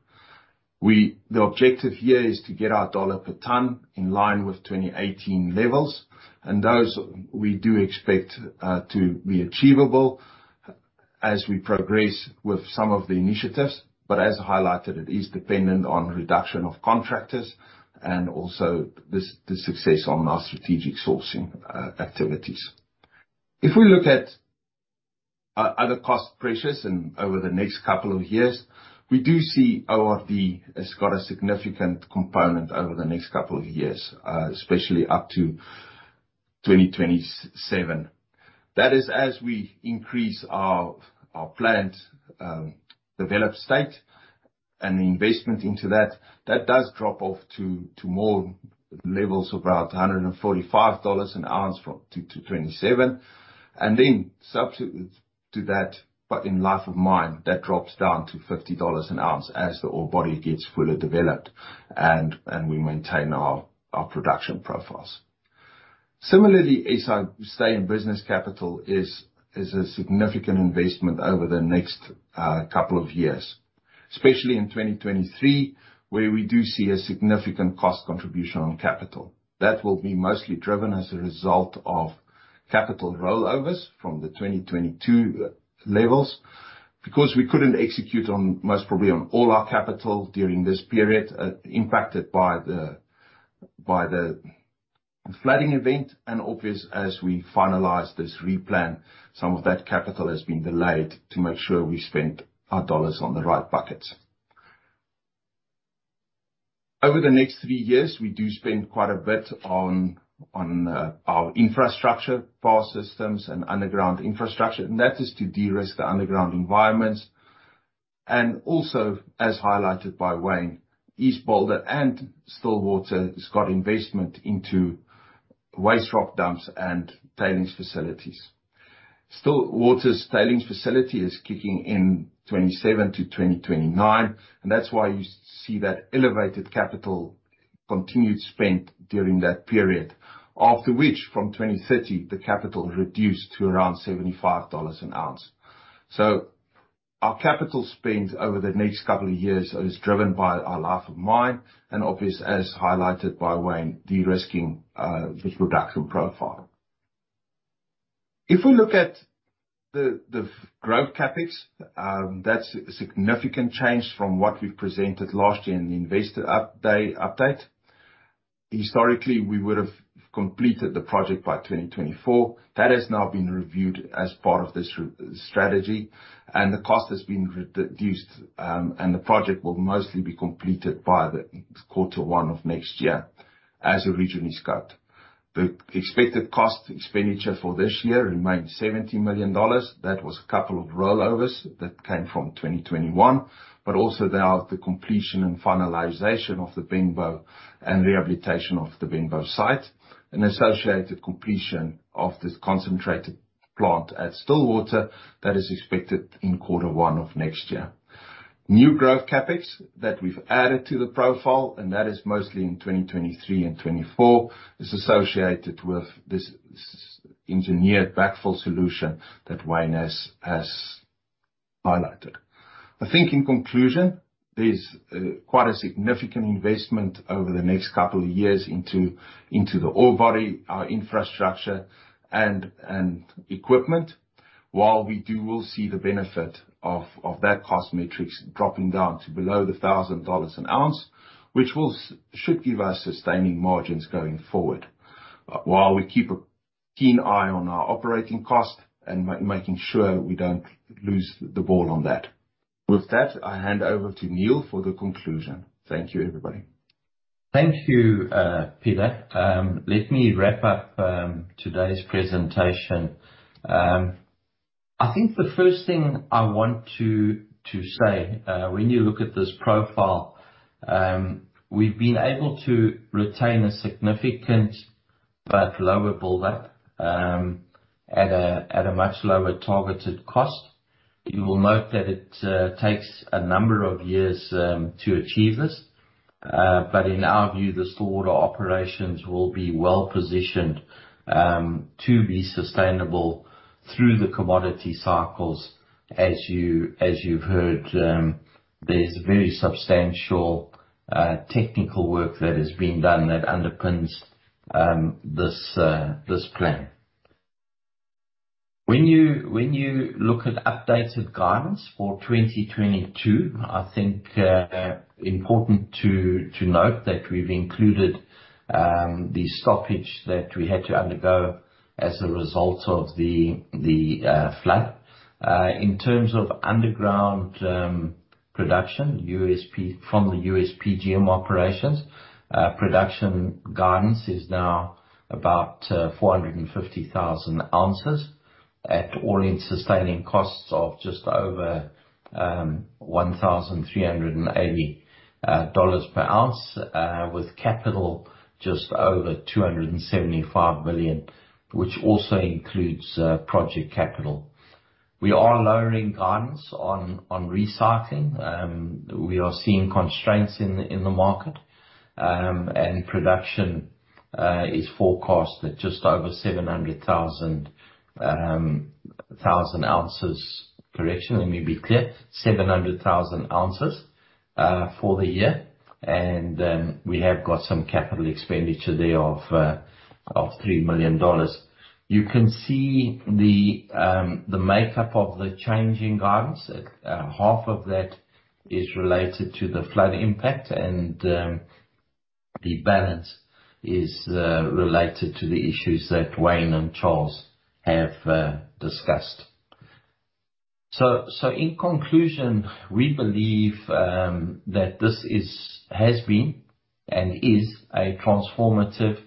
The objective here is to get our dollar per ton in line with 2018 levels, and those we do expect to be achievable as we progress with some of the initiatives. As highlighted, it is dependent on reduction of contractors and also the success on our strategic sourcing activities. If we look at other cost pressures over the next couple of years, we do see ORD has got a significant component over the next couple of years, especially up to 2027. That is as we increase our plant developed state and investment into that does drop off to more levels of around $145 an ounce from 2027. Then subsequent to that, but in life of mine, that drops down to $50 an ounce as the ore body gets fully developed and we maintain our production profiles. Similarly, as I say, in business, capital is a significant investment over the next couple of years. Especially in 2023, where we do see a significant cost contribution on capital. That will be mostly driven as a result of capital rollovers from the 2022 levels, because we couldn't execute on most probably on all our capital during this period, impacted by the flooding event. Obviously as we finalize this replan, some of that capital has been delayed to make sure we spent our dollars on the right buckets. Over the next three years, we do spend quite a bit on our infrastructure, power systems and underground infrastructure, and that is to de-risk the underground environments. Also as highlighted by Wayne, East Boulder and Stillwater has got investment into waste rock dumps and tailings facilities. Stillwater's tailings facility is kicking in 2027-2029, and that's why you see that elevated capital continued spend during that period. After which, from 2030, the capital reduced to around $75 an ounce. Our capital spend over the next couple of years is driven by our life of mine and obvious, as highlighted by Wayne, de-risking this production profile. If we look at the growth CapEx, that's a significant change from what we've presented last year in the investor update. Historically, we would have completed the project by 2024. That has now been reviewed as part of this our strategy, and the cost has been reduced, and the project will mostly be completed by quarter one of next year as originally scoped. The expected cost expenditure for this year remains $70 million. That was a couple of rollovers that came from 2021, but also they are the completion and finalization of the Benbow and rehabilitation of the Benbow site and associated completion of this concentrator plant at Stillwater that is expected in quarter one of next year. New growth CapEx that we've added to the profile, and that is mostly in 2023 and 2024, is associated with this engineered backfill solution that Wayne has highlighted. I think in conclusion, there's quite a significant investment over the next couple of years into the ore body, our infrastructure and equipment. While we will see the benefit of that cost metrics dropping down to below $1,000 an ounce, which should give us sustaining margins going forward, while we keep a keen eye on our operating cost and making sure we don't lose the ball on that. With that, I hand over to Neal for the conclusion. Thank you, everybody. Thank you, Pieter. Let me wrap up today's presentation. I think the first thing I want to say when you look at this profile, we've been able to retain a significant but lower build-up at a much lower targeted cost. You will note that it takes a number of years to achieve this. In our view, the Stillwater operations will be well-positioned to be sustainable through the commodity cycles. As you've heard, there's very substantial technical work that has been done that underpins this plan. When you look at updated guidance for 2022, I think important to note that we've included the stoppage that we had to undergo as a result of the flood. In terms of underground production, U.S. PGM from the U.S. PGM operations, production guidance is now about 450,000 oz at all-in sustaining costs of just over $1,380 per ounce, with capital just over $275 million, which also includes project capital. We are lowering guidance on recycling. We are seeing constraints in the market. Production is forecasted just over 700,000 oz. Correction, let me be clear. 700,000 oz for the year. We have got some capital expenditure there of $3 million. You can see the makeup of the change in guidance. Half of that is related to the flood impact, and the balance is related to the issues that Wayne and Charles have discussed. In conclusion, we believe that this is, has been and is a transformative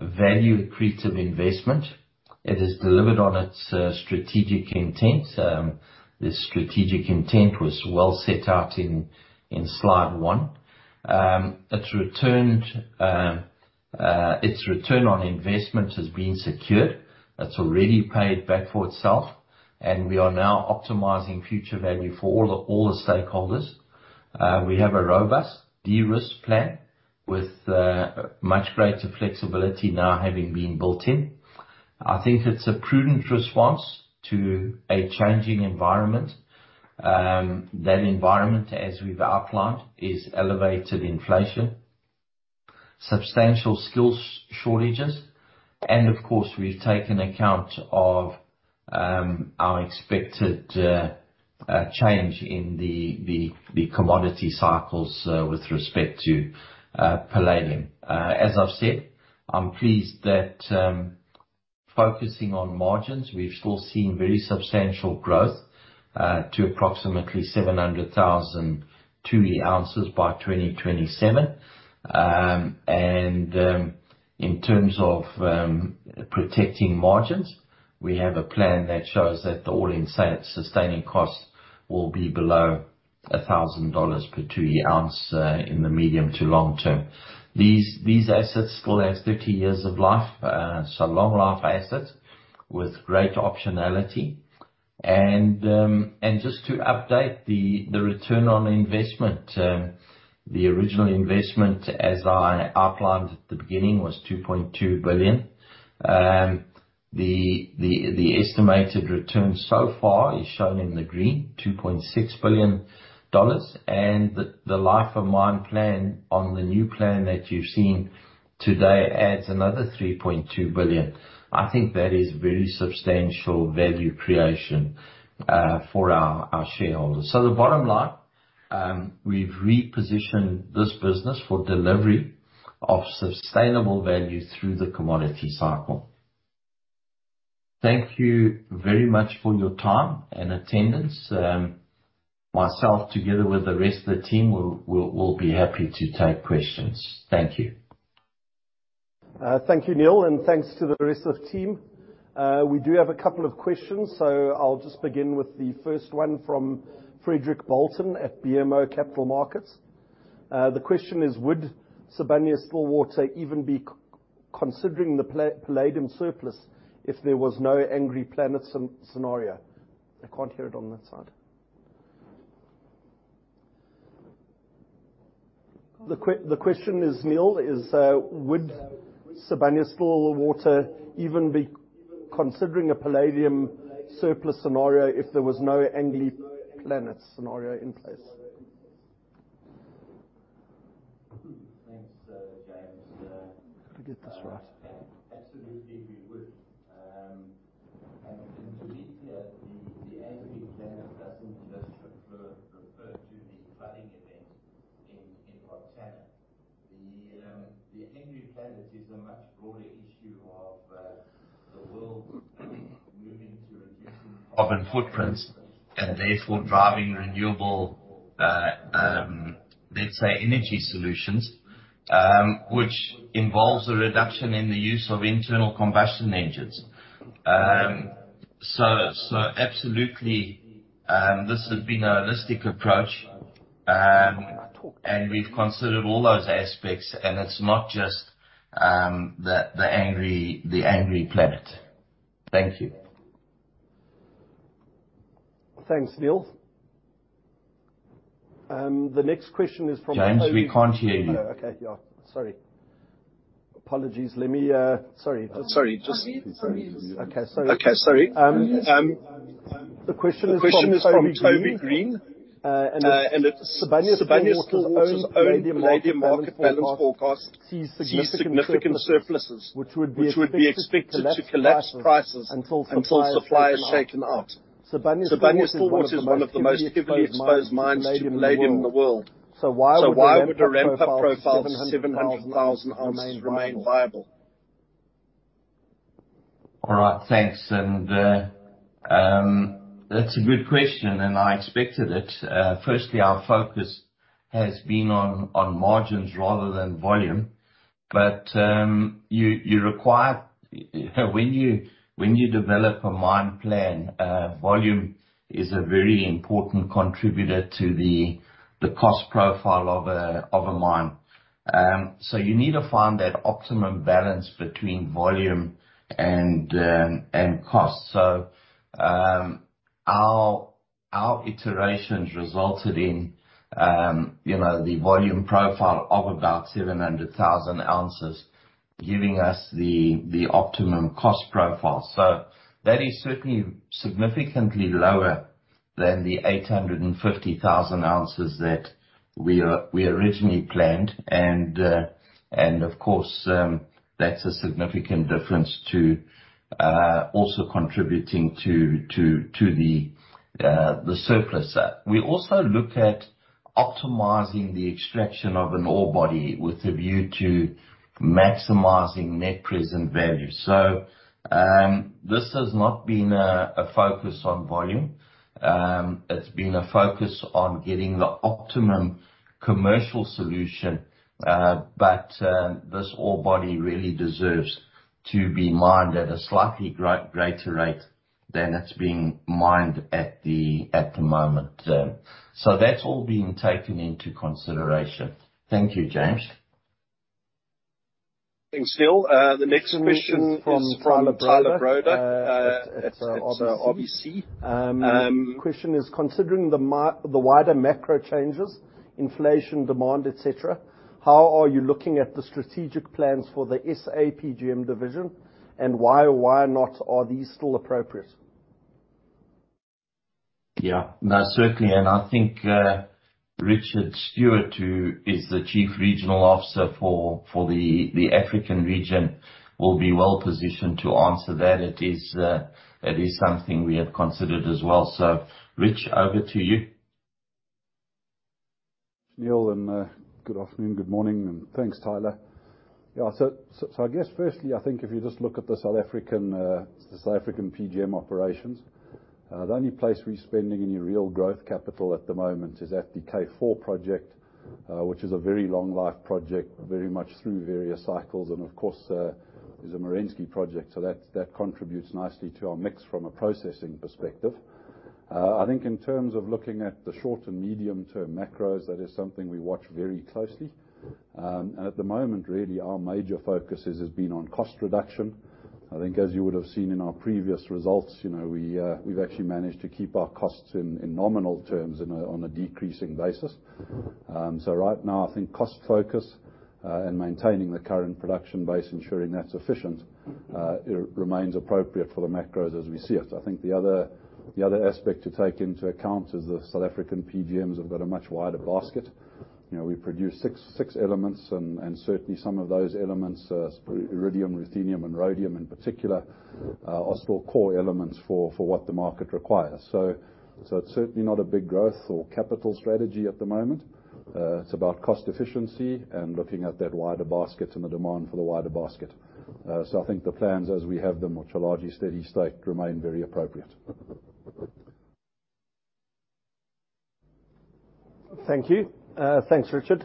value accretive investment. It has delivered on its strategic intent. This strategic intent was well set out in slide one. Its return on investment has been secured. It's already paid back for itself and we are now optimizing future value for all the stakeholders. We have a robust de-risk plan with much greater flexibility now having been built in. I think it's a prudent response to a changing environment. That environment, as we've outlined, is elevated inflation, substantial skill shortages, and of course, we've taken account of our expected change in the commodity cycles with respect to palladium. As I've said, I'm pleased that, focusing on margins, we've still seen very substantial growth to approximately 700,000 troy ounces by 2027. In terms of protecting margins, we have a plan that shows that the all-in sustaining costs will be below $1,000 per troy ounce in the medium to long term. These assets still has 30 years of life, so long life assets with great optionality. Just to update the return on investment, the original investment, as I outlined at the beginning, was $2.2 billion. The estimated return so far is shown in the green, $2.6 billion. The life of mine plan on the new plan that you've seen today adds another $3.2 billion. I think that is very substantial value creation for our shareholders. The bottom line, we've repositioned this business for delivery of sustainable value through the commodity cycle. Thank you very much for your time and attendance. Myself together with the rest of the team will be happy to take questions. Thank you. Thank you, Neal. Thanks to the rest of the team. We do have a couple of questions, so I'll just begin with the first one from Frederic Bolton at BMO Capital Markets. The question is, would Sibanye-Stillwater even be considering the palladium surplus if there was no angry planet scenario? I can't hear it on that side. The question is, Neal, would Sibanye-Stillwater even be considering a palladium surplus scenario if there was no angry planet scenario in place? Thanks, James. Got to get this right. Absolutely, we would. To be clear, the angry planet doesn't just refer to the flooding event in Montana. The angry planet is a much broader issue of the world carbon footprints and therefore driving renewable, let's say energy solutions, which involves a reduction in the use of internal combustion engines. Absolutely, this has been a holistic approach. We've considered all those aspects, and it's not just the angry planet. Thank you. Thanks, Neal. The next question is from. James, we can't hear you. Oh, okay. Yeah. Sorry. Apologies. Let me, Sorry. Sorry. Okay. Sorry. Okay. Sorry. The question is from Toby Green. The question is from Toby Green. Uh, and, uh- It's Sibanye-Stillwater's own palladium market balance forecast sees significant surpluses, which would be expected to collapse prices until suppliers shaken out. Sibanye-Stillwater is one of the most heavily exposed mines to palladium in the world. Why would a ramp-up profile of 700,000 oz remain viable? All right. Thanks. That's a good question, and I expected it. Firstly, our focus has been on margins rather than volume. When you develop a mine plan, volume is a very important contributor to the cost profile of a mine. You need to find that optimum balance between volume and cost. Our iterations resulted in, you know, the volume profile of about 700,000 oz, giving us the optimum cost profile. That is certainly significantly lower than the 850,000 oz that we originally planned. Of course, that's a significant difference, too, also contributing to the surplus. We also look at optimizing the extraction of an ore body with a view to maximizing net present value. This has not been a focus on volume. It's been a focus on getting the optimum commercial solution, but this ore body really deserves to be mined at a slightly greater rate than it's being mined at the moment. That's all being taken into consideration. Thank you, James. Thanks, Neal. The next question is from Tyler Broda at RBC. Um- The question is, considering the wider macro changes, inflation, demand, et cetera, how are you looking at the strategic plans for the SA PGM division, and why or why not are these still appropriate? Yeah. No, certainly. I think Richard Stewart, who is the Chief Regional Officer for the African region, will be well-positioned to answer that. It is, that is something we have considered as well. Rich, over to you. Neal, good afternoon, good morning, and thanks, Tyler. Yeah. So I guess, firstly, I think if you just look at the South African, the South African PGM operations, the only place we're spending any real growth capital at the moment is at the K4 project, which is a very long life project, very much through various cycles. Of course, is a Merensky project, so that contributes nicely to our mix from a processing perspective. I think in terms of looking at the short and medium term macros, that is something we watch very closely. At the moment, really our major focus has been on cost reduction. I think as you would have seen in our previous results, you know, we've actually managed to keep our costs in nominal terms on a decreasing basis. Right now I think cost focus and maintaining the current production base, ensuring that's efficient, it remains appropriate for the macros as we see it. I think the other aspect to take into account is the South African PGMs have got a much wider basket. You know, we produce six elements and certainly some of those elements, iridium, ruthenium, and rhodium in particular, are still core elements for what the market requires. It's certainly not a big growth or capital strategy at the moment. It's about cost efficiency and looking at that wider basket and the demand for the wider basket. I think the plans as we have them, which are largely steady state, remain very appropriate. Thank you. Thanks, Richard.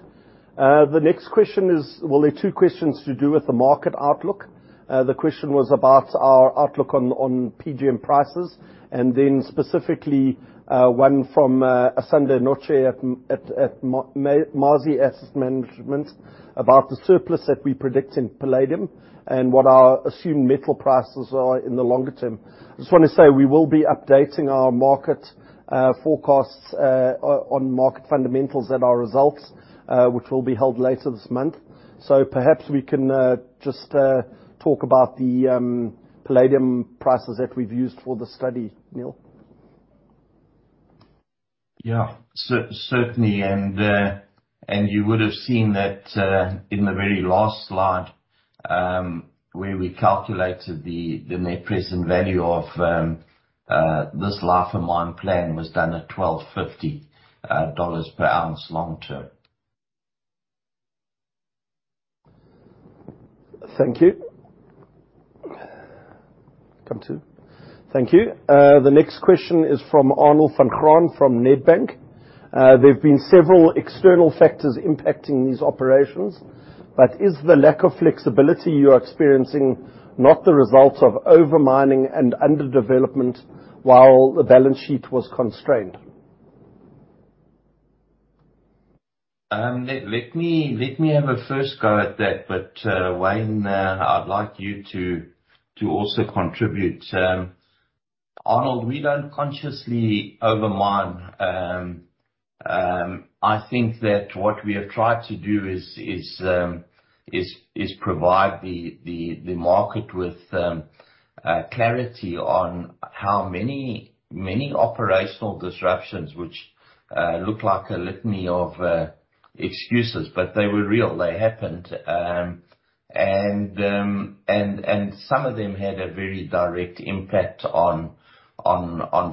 The next question is, well, there are two questions to do with the market outlook. The question was about our outlook on PGM prices, and then specifically, one from Asanda Notshe at Mazi Asset Management about the surplus that we predict in palladium and what our assumed metal prices are in the longer term. I just wanna say, we will be updating our market forecasts on market fundamentals at our results, which will be held later this month. Perhaps we can just talk about the palladium prices that we've used for the study, Neal. Yeah. Certainly. You would have seen that in the very last slide where we calculated the net present value of this life of mine plan was done at $1,250 per ounce long term. Thank you. Thank you. The next question is from Arnold van Graan, from Nedbank. There have been several external factors impacting these operations, but is the lack of flexibility you are experiencing not the result of over-mining and under-development while the balance sheet was constrained? Let me have a first go at that. Wayne, I'd like you to also contribute. Arnold, we don't consciously over-mine. I think that what we have tried to do is provide the market with clarity on how many operational disruptions, which look like a litany of excuses, but they were real, they happened. Some of them had a very direct impact on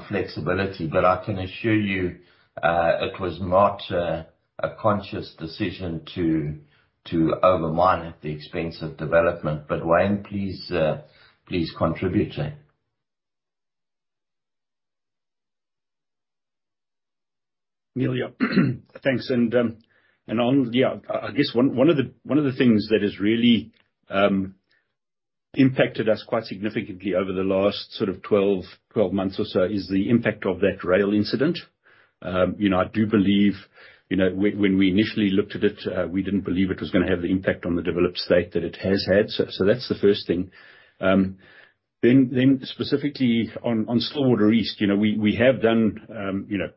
flexibility. I can assure you, it was not a conscious decision to over-mine at the expense of development. Wayne, please contribute. Neal, yeah. Thanks. Arnold, yeah, I guess one of the things that has really impacted us quite significantly over the last sort of 12 months or so is the impact of that rail incident. You know, I do believe, you know, when we initially looked at it, we didn't believe it was gonna have the impact on the developed state that it has had. That's the first thing. Then specifically on Stillwater East, you know, we have done, you know,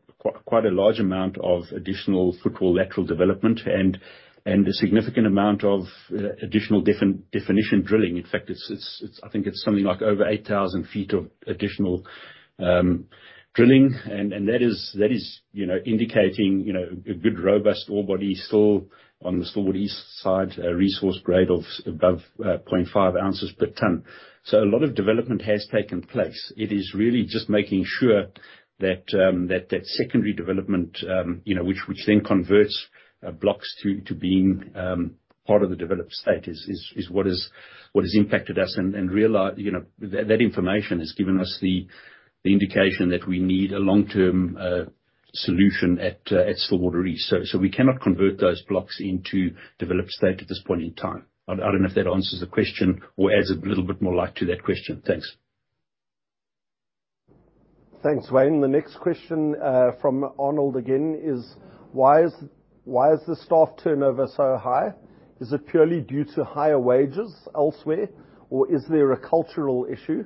quite a large amount of additional footwall lateral development and a significant amount of additional definition drilling. In fact, I think it's something like over 8,000 feet of additional drilling. That is you know indicating you know a good robust ore body still on the Stillwater East side, a resource grade of above 0.5 oz per ton. A lot of development has taken place. It is really just making sure that that secondary development you know which then converts blocks to being part of the developed state is what is. What has impacted us and you know that information has given us the indication that we need a long-term solution at Stillwater East. We cannot convert those blocks into developed state at this point in time. I don't know if that answers the question or sheds a little bit more light to that question. Thanks. Thanks, Wayne. The next question from Arnold again is, why is the staff turnover so high? Is it purely due to higher wages elsewhere, or is there a cultural issue,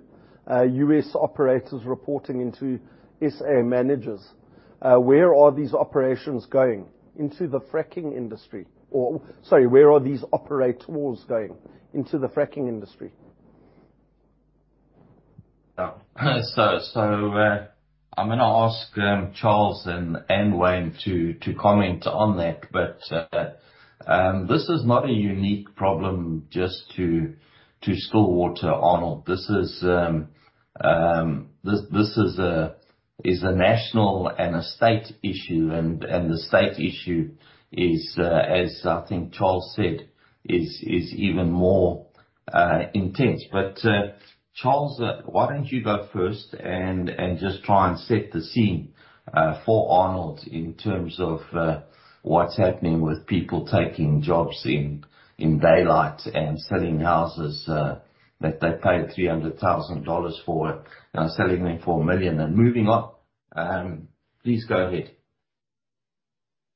U.S. operators reporting into SA managers? Where are these operators going, into the fracking industry? I'm gonna ask Charles and Wayne to comment on that. This is not a unique problem just to Stillwater, Arnold. This is a national and a state issue, and the state issue is, as I think Charles said, even more intense. Charles, why don't you go first and just try and set the scene for Arnold in terms of what's happening with people taking jobs in daylight and selling houses that they paid $300,000 for, and selling them for $1 million and moving on. Please go ahead.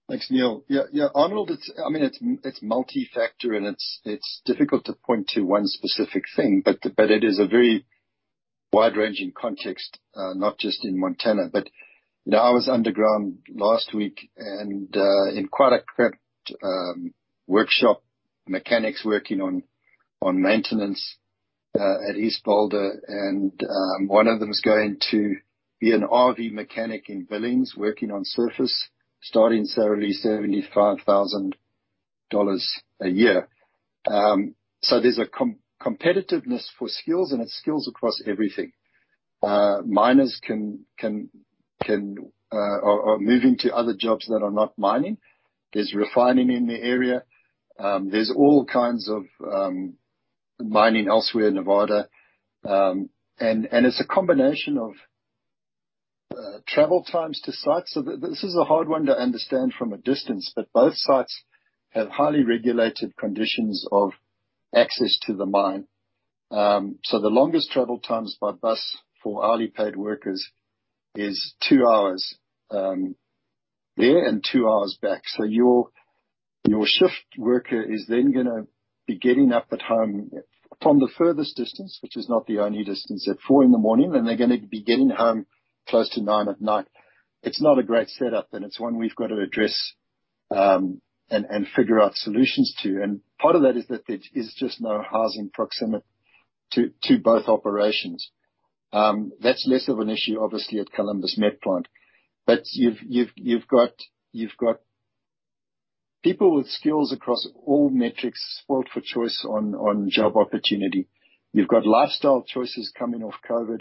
Thanks, Neal. Yeah, Arnold, I mean, it's multifactor and it's difficult to point to one specific thing, but it is a very wide-ranging context, not just in Montana. You know, I was underground last week and in quite a cramped workshop, mechanics working on maintenance at East Boulder and one of them is going to be an RV mechanic in Billings, working on surface, starting salary $75,000 a year. So there's competitiveness for skills, and it's skills across everything. Miners are moving to other jobs that are not mining. There's refining in the area. There's all kinds of mining elsewhere in Nevada. And it's a combination of travel times to sites. This is a hard one to understand from a distance, but both sites have highly regulated conditions of access to the mine. The longest travel times by bus for hourly paid workers is two hours there and two hours back. Your shift worker is then gonna be getting up at home from the furthest distance, which is not the only distance, at four in the morning, and they're gonna be getting home close to nine at night. It's not a great setup, and it's one we've got to address and figure out solutions to. Part of that is that there is just no housing proximate to both operations. That's less of an issue, obviously, at Columbus Metallurgical Complex. You've got people with skills across all metrics spoiled for choice on job opportunity. You've got lifestyle choices coming off COVID.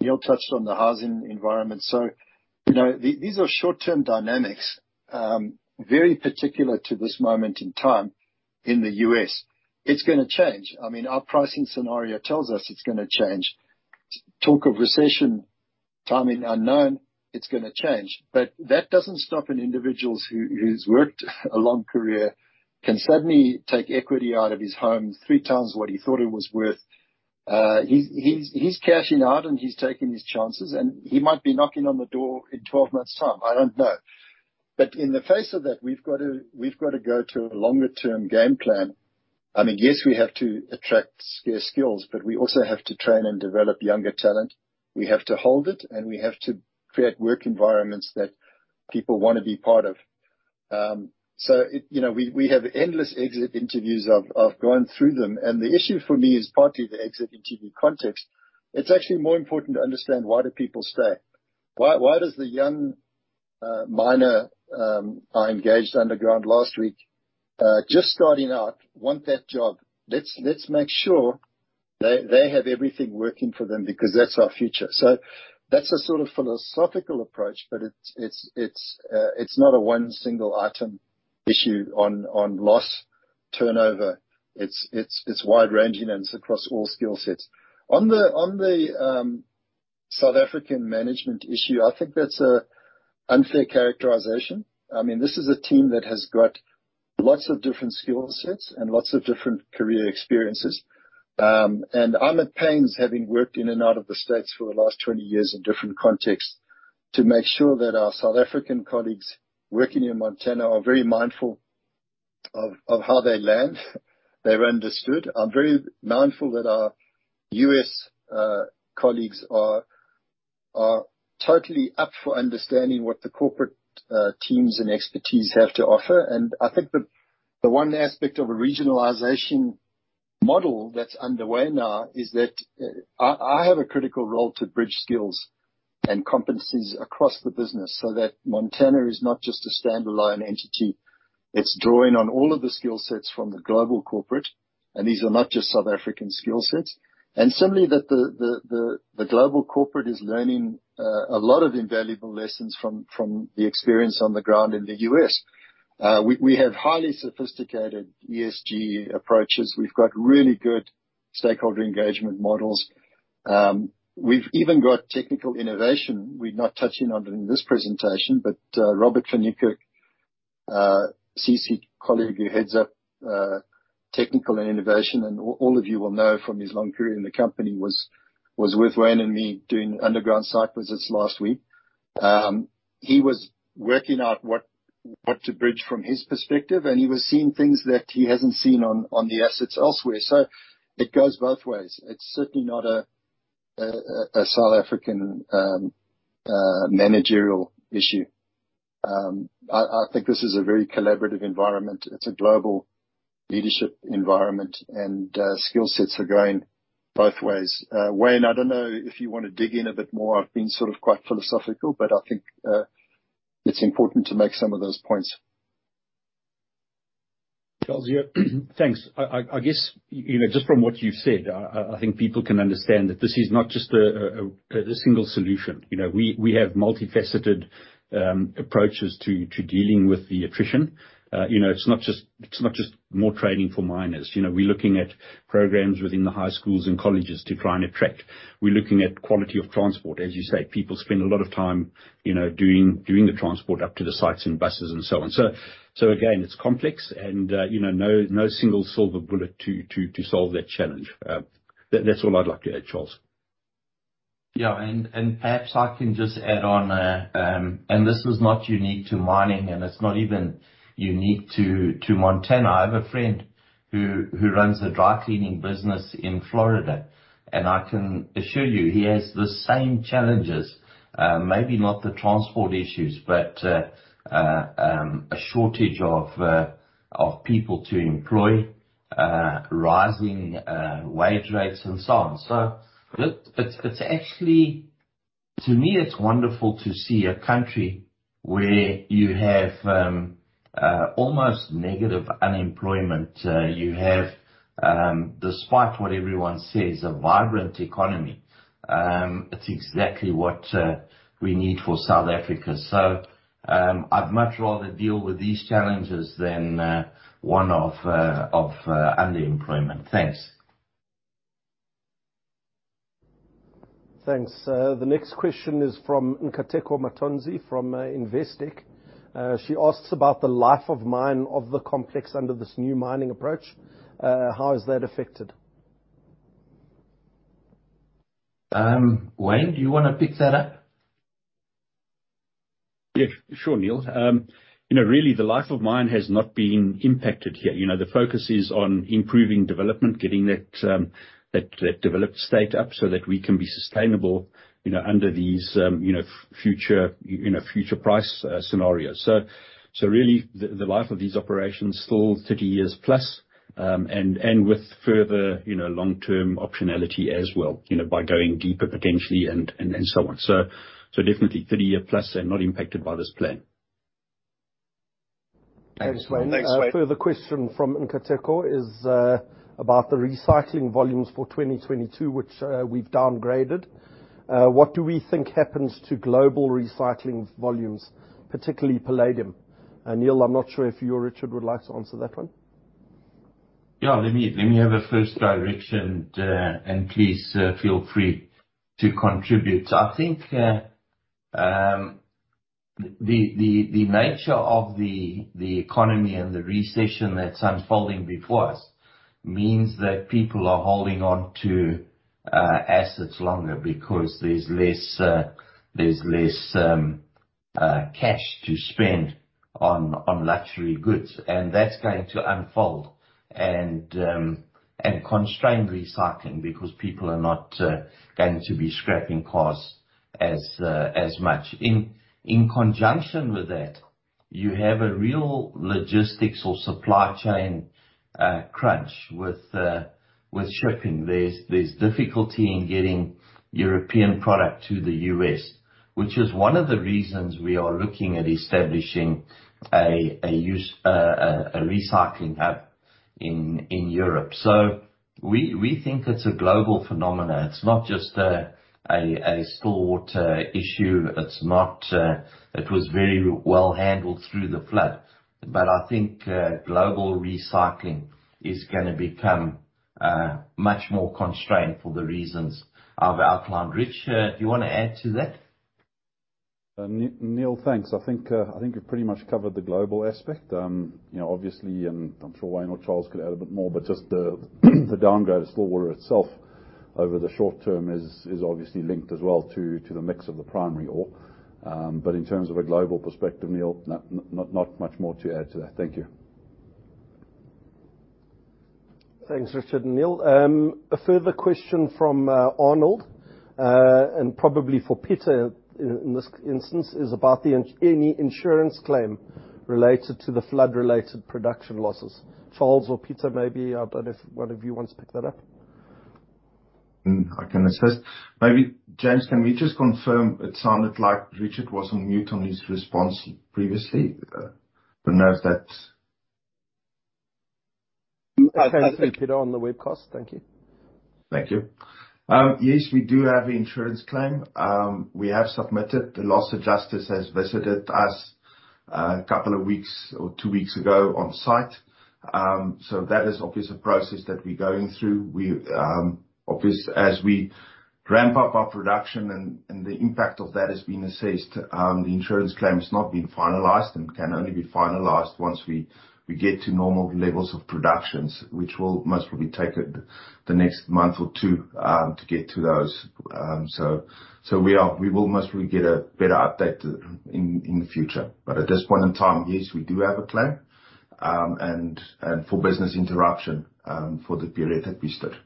Neal touched on the housing environment. You know, these are short-term dynamics, very particular to this moment in time in the U.S.. It's gonna change. I mean, our pricing scenario tells us it's gonna change. Talk of recession, timing unknown, it's gonna change. That doesn't stop an individual who's worked a long career, can suddenly take equity out of his home three times what he thought it was worth. He's cashing out, and he's taking his chances, and he might be knocking on the door in 12 months' time. I don't know. In the face of that, we've got to go to a longer-term game plan. I mean, yes, we have to attract scarce skills, but we also have to train and develop younger talent. We have to hold it, and we have to create work environments that people wanna be part of. You know, we have endless exit interviews. I've gone through them, and the issue for me is partly the exit interview context. It's actually more important to understand why do people stay. Why does the young miner I engaged underground last week just starting out want that job? Let's make sure they have everything working for them because that's our future. That's a sort of philosophical approach, but it's not a one single item issue on loss turnover. It's wide-ranging, and it's across all skill sets. On the South African management issue, I think that's a unfair characterization. I mean, this is a team that has got lots of different skill sets and lots of different career experiences. I'm at pains, having worked in and out of the States for the last 20 years in different contexts, to make sure that our South African colleagues working in Montana are very mindful of how they land. They're understood. I'm very mindful that our U.S. colleagues are totally up for understanding what the corporate teams and expertise have to offer. I think the one aspect of a regionalization model that's underway now is that I have a critical role to bridge skills and competencies across the business so that Montana is not just a standalone entity. It's drawing on all of the skill sets from the global corporate, and these are not just South African skill sets, and suddenly that the global corporate is learning a lot of invaluable lessons from the experience on the ground in the U.S. We have highly sophisticated ESG approaches. We've got really good stakeholder engagement models. We've even got technical innovation we're not touching on during this presentation. Robert van Niekerk, CC colleague who heads up technical and innovation, and all of you will know from his long career in the company was with Wayne and me doing underground site visits last week. He was working out what to bridge from his perspective, and he was seeing things that he hasn't seen on the assets elsewhere. It goes both ways. It's certainly not a South African managerial issue. I think this is a very collaborative environment. It's a global leadership environment and skill sets are going both ways. Wayne, I don't know if you wanna dig in a bit more. I've been sort of quite philosophical, but I think it's important to make some of those points. Charles, yeah. Thanks. I guess, you know, just from what you've said, I think people can understand that this is not just a single solution. You know, we have multifaceted approaches to dealing with the attrition. You know, it's not just more training for miners. You know, we're looking at programs within the high schools and colleges to try and attract. We're looking at quality of transport. As you say, people spend a lot of time, you know, doing the transport up to the sites and buses and so on. So again, it's complex and, you know, no single silver bullet to solve that challenge. That's all I'd like to add, Charles. Yeah. Perhaps I can just add on, and this is not unique to mining, and it's not even unique to Montana. I have a friend who runs a dry cleaning business in Florida, and I can assure you he has the same challenges. Maybe not the transport issues, but a shortage of people to employ, rising wage rates and so on. It's actually. To me, it's wonderful to see a country where you have almost negative unemployment. You have, despite what everyone says, a vibrant economy. It's exactly what we need for South Africa. I'd much rather deal with these challenges than one of underemployment. Thanks. Thanks. The next question is from Nkateko Mathonsi from Investec. She asks about the life of mine of the complex under this new mining approach. How is that affected? Wayne, do you wanna pick that up? Yeah. Sure, Neal. You know, really the life of mine has not been impacted here. You know, the focus is on improving development, getting that developed state up so that we can be sustainable, you know, under these, you know, future price scenarios. Really, the life of these operations still 30+ years. And with further, you know, long-term optionality as well, you know, by going deeper potentially and so on. Definitely 30+ year and not impacted by this plan. Thanks, Wayne. Thanks, Wayne. A further question from Nkateko is about the recycling volumes for 2022, which we've downgraded. What do we think happens to global recycling volumes, particularly palladium? Neal, I'm not sure if you or Richard would like to answer that one. Yeah. Let me have a first direction, and please feel free to contribute. I think the nature of the economy and the recession that's unfolding before us means that people are holding on to assets longer because there's less cash to spend on luxury goods. That's going to unfold and constrain recycling because people are not going to be scrapping cars as much. In conjunction with that, you have a real logistics or supply chain crunch with shipping. There's difficulty in getting European product to the U.S., which is one of the reasons we are looking at establishing a recycling hub in Europe. We think it's a global phenomenon. It's not just a Stillwater issue. It was very well handled through the flood. I think global recycling is gonna become much more constrained for the reasons I've outlined. Richard, do you wanna add to that? Neal, thanks. I think you've pretty much covered the global aspect. You know, obviously, and I'm sure Wayne or Charles could add a bit more, but just the downgrade of Stillwater itself over the short term is obviously linked as well to the mix of the primary ore. In terms of a global perspective, Neal, not much more to add to that. Thank you. Thanks, Richard and Neal. A further question from Arnold, and probably for Pieter in this instance, is about any insurance claim related to the flood-related production losses. Charles or Pieter, maybe, I don't know if one of you wants to pick that up. I can assist. Maybe, James, can we just confirm? It sounded like Richard was on mute on his response previously. Don't know if that's. Okay. I see him on the webcast. Thank you. Thank you. Yes, we do have insurance claim. We have submitted. The loss adjuster has visited us a couple of weeks or two weeks ago on site. That is obviously a process that we're going through. We obviously as we ramp up our production and the impact of that is being assessed, the insurance claim has not been finalized and can only be finalized once we get to normal levels of production, which will most probably take the next month or two to get to those. We will most probably get a better update in the future. At this point in time, yes, we do have a claim, and for business interruption, for the period that we stood.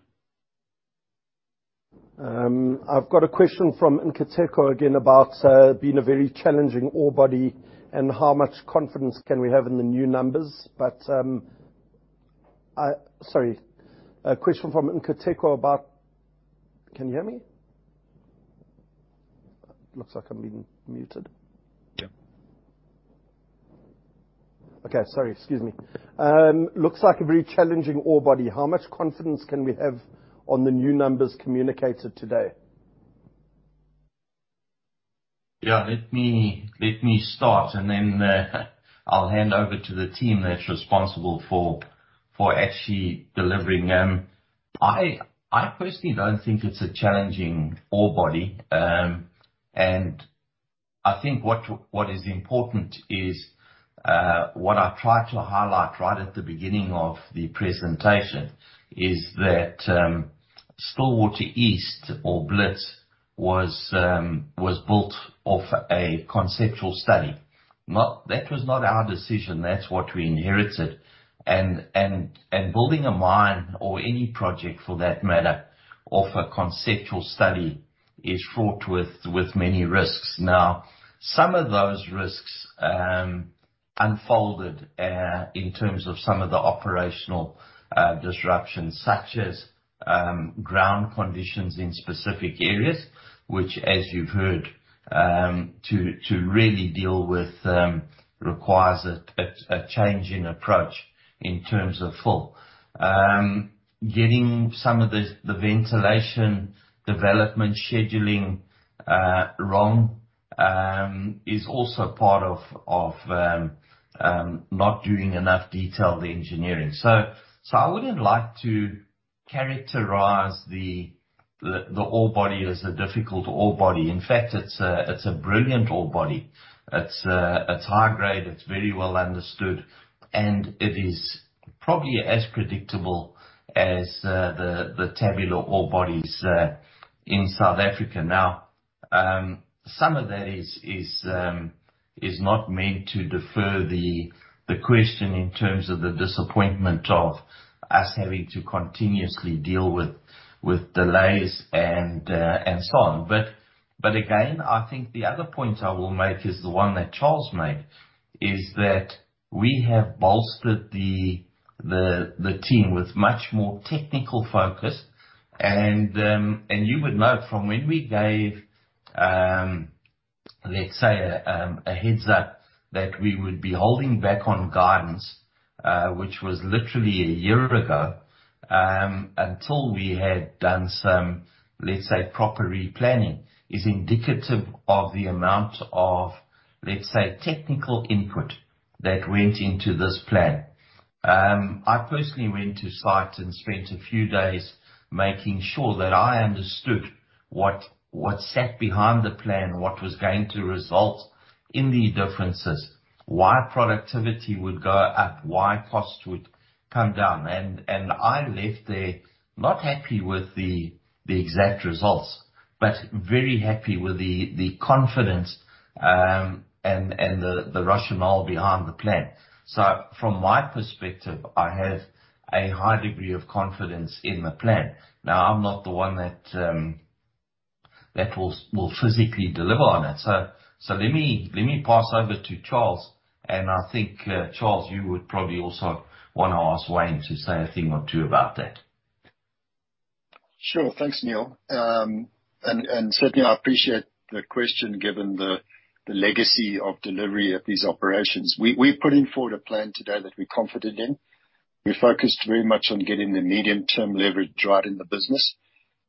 I've got a question from Nkateko again about being a very challenging ore body and how much confidence can we have in the new numbers. Sorry. Can you hear me? Looks like I'm being muted. Yeah. Okay. Sorry. Excuse me. Looks like a very challenging ore body. How much confidence can we have on the new numbers communicated today? Yeah. Let me start and then I'll hand over to the team that's responsible for actually delivering. I personally don't think it's a challenging ore body. I think what is important is what I tried to highlight right at the beginning of the presentation is that Stillwater East or Blitz was built off a conceptual study. That was not our decision. That's what we inherited. Building a mine or any project for that matter off a conceptual study is fraught with many risks. Now, some of those risks unfolded in terms of some of the operational disruptions, such as ground conditions in specific areas, which as you've heard to really deal with requires a change in approach in terms of full. Getting some of the ventilation development scheduling wrong is also part of not doing enough detailed engineering. I wouldn't like to characterize the ore body as a difficult ore body. In fact, it's a brilliant ore body. It's high grade, it's very well understood, and it is probably as predictable as the tabular ore bodies in South Africa. Now, some of that is not meant to defer the question in terms of the disappointment of us having to continuously deal with delays and so on. Again, I think the other point I will make is the one that Charles made, that we have bolstered the team with much more technical focus. You would know from when we gave, let's say, a heads-up that we would be holding back on guidance, which was literally a year ago, until we had done some, let's say, proper replanning, is indicative of the amount of, let's say, technical input that went into this plan. I personally went to site and spent a few days making sure that I understood what sat behind the plan, what was going to result in the differences, why productivity would go up, why costs would come down. I left there not happy with the exact results, but very happy with the confidence, and the rationale behind the plan. From my perspective, I have a high degree of confidence in the plan. Now, I'm not the one that will physically deliver on it. Let me pass over to Charles, and I think, Charles, you would probably also wanna ask Wayne to say a thing or two about that. Sure. Thanks, Neal. Certainly I appreciate the question given the legacy of delivery of these operations. We're putting forward a plan today that we're confident in. We focused very much on getting the medium-term leverage right in the business.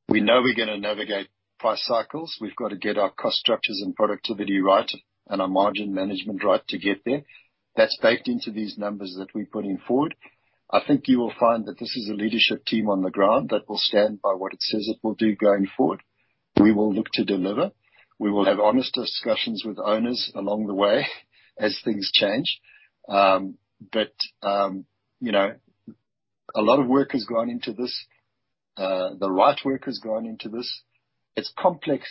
We know we're gonna navigate price cycles. We've got to get our cost structures and productivity right and our margin management right to get there. That's baked into these numbers that we're putting forward. I think you will find that this is a leadership team on the ground that will stand by what it says it will do going forward. We will look to deliver. We will have honest discussions with owners along the way as things change. You know, a lot of work has gone into this. The right work has gone into this. It's complex,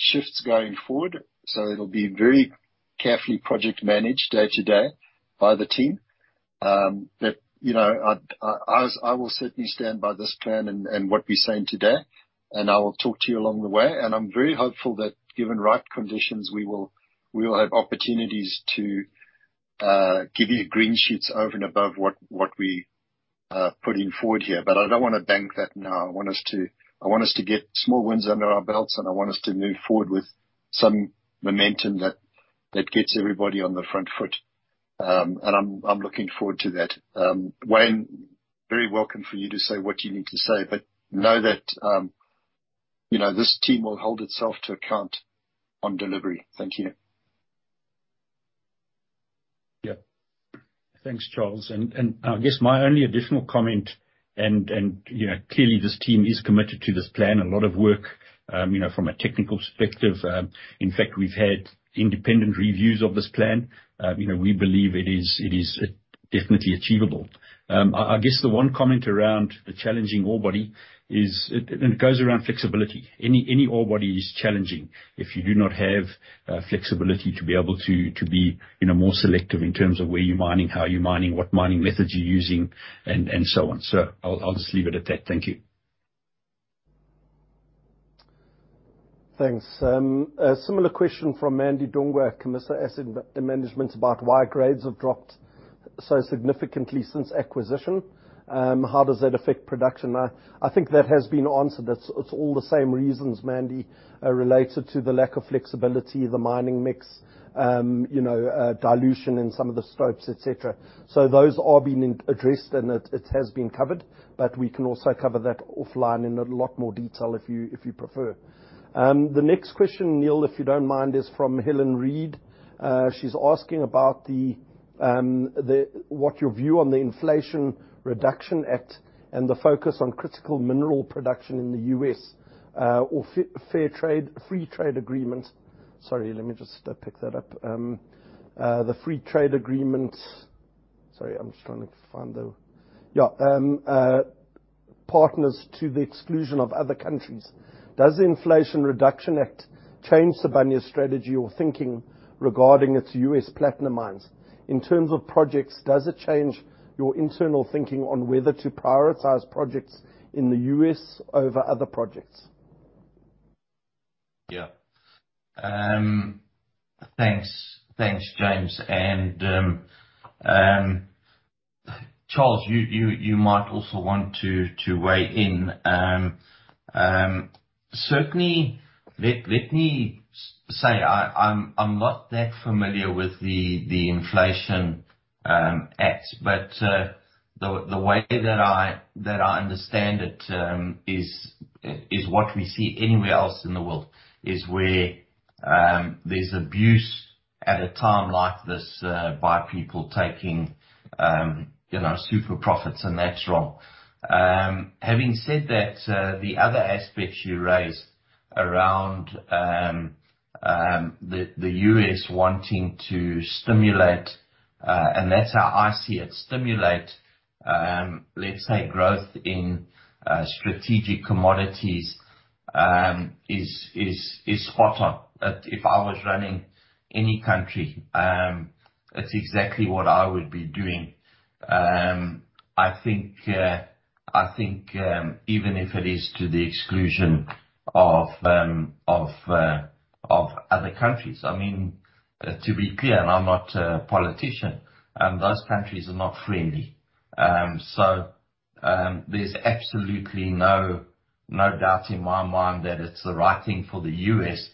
shifts going forward, so it'll be very carefully project managed day to day by the team. You know, I will certainly stand by this plan and what we're saying today, and I will talk to you along the way. I'm very hopeful that given right conditions, we will have opportunities to give you green sheets over and above what we are putting forward here. I don't wanna bank that now. I want us to get small wins under our belts, and I want us to move forward with some momentum that gets everybody on the front foot. I'm looking forward to that. Wayne, you're very welcome to say what you need to say, but know that, you know, this team will hold itself to account on delivery. Thank you. Yeah. Thanks, Charles. I guess my only additional comment, you know, clearly this team is committed to this plan. A lot of work, you know, from a technical perspective. In fact, we've had independent reviews of this plan. You know, we believe it is definitely achievable. I guess the one comment around the challenging ore body is that it goes around flexibility. Any ore body is challenging if you do not have flexibility to be able to, you know, more selective in terms of where you're mining, how you're mining, what mining methods you're using and so on. So I'll just leave it at that. Thank you. Thanks. A similar question from Mandi Dungwa, Camissa Asset Management about why grades have dropped so significantly since acquisition. How does that affect production? I think that has been answered. That's it's all the same reasons, Mandi, related to the lack of flexibility, the mining mix, you know, dilution in some of the stopes, et cetera. Those are being addressed and it has been covered, but we can also cover that offline in a lot more detail if you prefer. The next question, Neal, if you don't mind, is from Helen Reid. She's asking about what your view on the Inflation Reduction Act and the focus on critical mineral production in the U.S., or fair trade, free trade agreement. Sorry, let me just pick that up. The free trade agreement partners to the exclusion of other countries. Does the Inflation Reduction Act change Sibanye-Stillwater's strategy or thinking regarding its U.S. platinum mines? In terms of projects, does it change your internal thinking on whether to prioritize projects in the U.S. over other projects? Thanks, James. Charles, you might also want to weigh in. Certainly, let me say I'm not that familiar with the Inflation Reduction Act. The way that I understand it is what we see anywhere else in the world, where there's abuse at a time like this by people taking, you know, super profits, and that's wrong. Having said that, the other aspects you raised around the U.S. wanting to stimulate, and that's how I see it, stimulate, let's say, growth in strategic commodities is spot on. If I was running any country, that's exactly what I would be doing. I think even if it is to the exclusion of other countries. I mean, to be clear, I'm not a politician, those countries are not friendly. There's absolutely no doubt in my mind that it's the right thing for the U.S.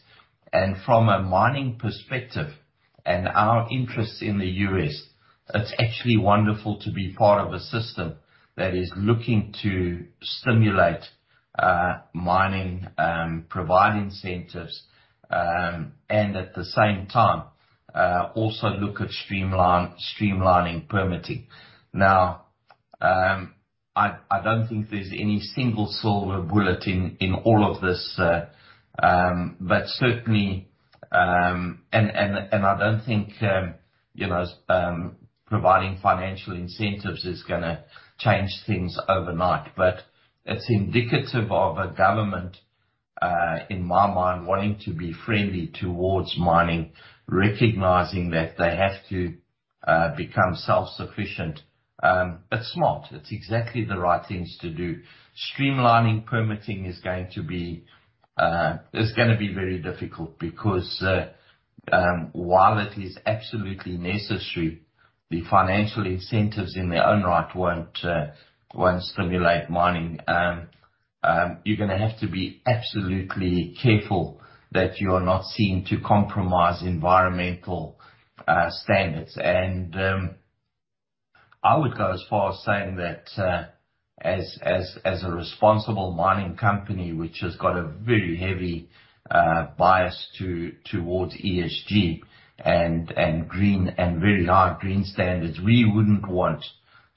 From a mining perspective and our interests in the U.S., it's actually wonderful to be part of a system that is looking to stimulate mining, provide incentives, and at the same time, also look at streamlining permitting. Now, I don't think there's any single silver bullet in all of this, but certainly, I don't think, you know, providing financial incentives is gonna change things overnight. It's indicative of a government, in my mind, wanting to be friendly towards mining, recognizing that they have to become self-sufficient. It's smart. It's exactly the right things to do. Streamlining permitting is going to be, is gonna be very difficult because, while it is absolutely necessary, the financial incentives in their own right won't stimulate mining. You're gonna have to be absolutely careful that you are not seen to compromise environmental standards. I would go as far as saying that, as a responsible mining company, which has got a very heavy bias to, towards ESG and green and very high green standards, we wouldn't want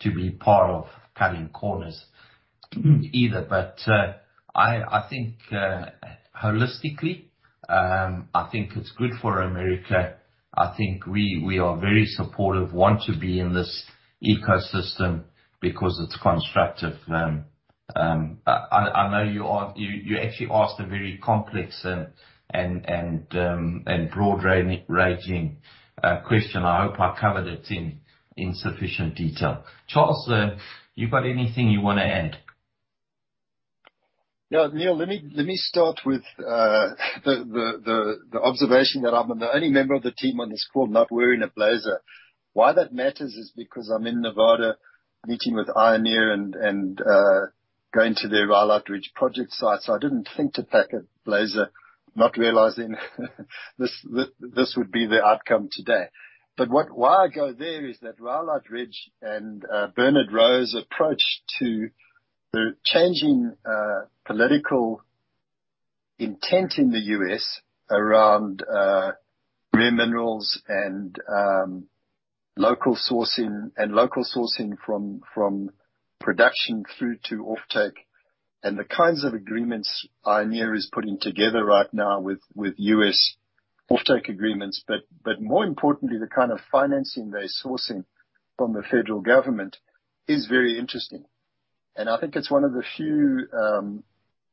to be part of cutting corners either. I think, holistically, I think it's good for America. I think we are very supportive, want to be in this ecosystem because it's constructive. I know you actually asked a very complex and broad-ranging question. I hope I covered it in sufficient detail. Charles, you got anything you wanna add? Yeah. Neal, let me start with the observation that I'm the only member of the team on this call not wearing a blazer. Why that matters is because I'm in Nevada meeting with Ioneer and going to the Rhyolite Ridge project site, so I didn't think to pack a blazer, not realizing this would be the outcome today. Why I go there is that Rhyolite Ridge and Bernard Rowe approach to the changing political intent in the U.S. around rare minerals and local sourcing, and local sourcing from production through to offtake, and the kinds of agreements Ioneer is putting together right now with U.S. offtake agreements. More importantly, the kind of financing they're sourcing from the federal government is very interesting. I think it's one of the few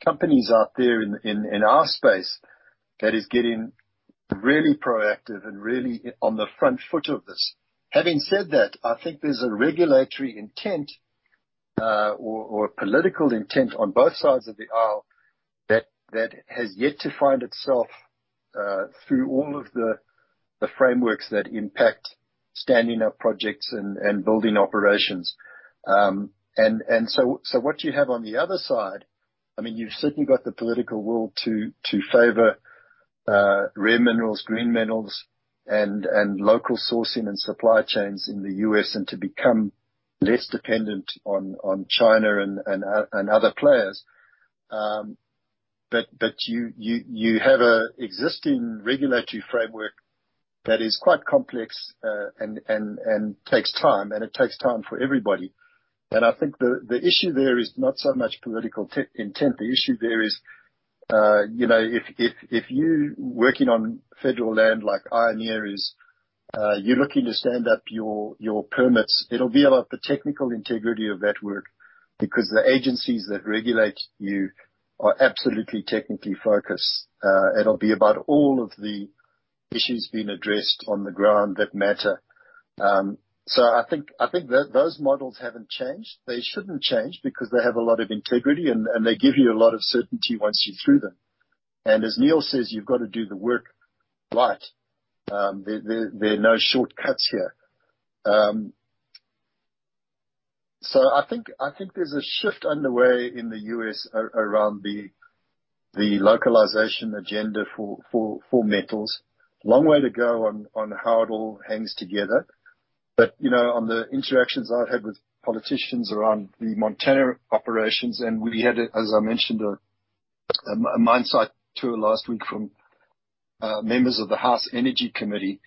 companies out there in our space that is getting really proactive and really on the front foot of this. Having said that, I think there's a regulatory intent or a political intent on both sides of the aisle that has yet to find itself through all of the frameworks that impact standing up projects and building operations. What you have on the other side, I mean, you've certainly got the political will to favor rare minerals, green metals and local sourcing and supply chains in the U.S., and to become less dependent on China and other players. You have an existing regulatory framework that is quite complex, and takes time, and it takes time for everybody. I think the issue there is not so much political intent. The issue there is, you know, if you working on federal land like Ioneer is, you're looking to stand up your permits, it'll be about the technical integrity of that work because the agencies that regulate you are absolutely technically focused. It'll be about all of the issues being addressed on the ground that matter. I think those models haven't changed. They shouldn't change because they have a lot of integrity, and they give you a lot of certainty once you're through them. As Neal says, you've got to do the work right. There are no shortcuts here. I think there's a shift underway in the U.S. around the localization agenda for metals. Long way to go on how it all hangs together. You know, on the interactions I've had with politicians around the Montana operations, and we had, as I mentioned, a mine site tour last week from members of the House Committee on Energy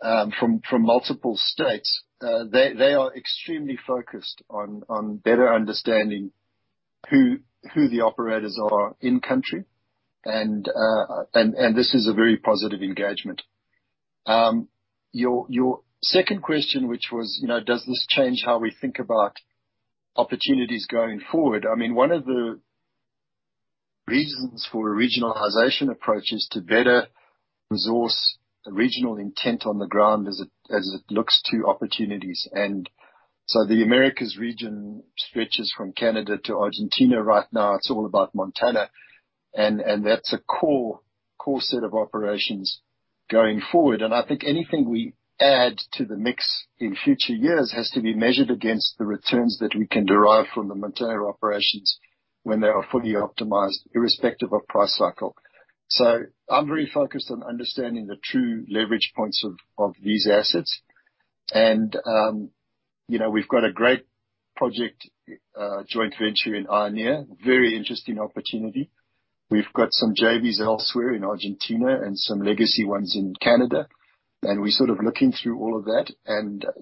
and Commerce from multiple states. They are extremely focused on better understanding who the operators are in country. This is a very positive engagement. Your second question, which was, you know, does this change how we think about opportunities going forward? I mean, one of the reasons for a regionalization approach is to better resource regional intent on the ground as it looks to opportunities. The Americas region stretches from Canada to Argentina. Right now, it's all about Montana. That's a core set of operations going forward. I think anything we add to the mix in future years has to be measured against the returns that we can derive from the Montana operations when they are fully optimized, irrespective of price cycle. I'm very focused on understanding the true leverage points of these assets. You know, we've got a great project, joint venture in Ioneer. Very interesting opportunity. We've got some JVs elsewhere in Argentina and some legacy ones in Canada. We're sort of looking through all of that.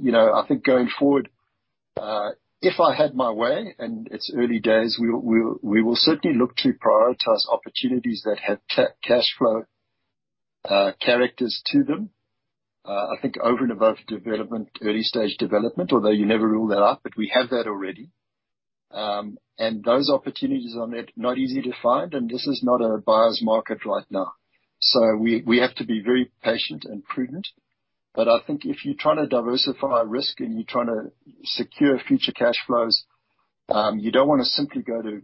You know, I think going forward, if I had my way, and it's early days, we will certainly look to prioritize opportunities that have cash flow characters to them. I think over and above development, early stage development, although you never rule that out, but we have that already. Those opportunities are not easy to find. This is not a buyer's market right now. We have to be very patient and prudent. I think if you're trying to diversify risk and you're trying to secure future cash flows, you don't wanna simply go to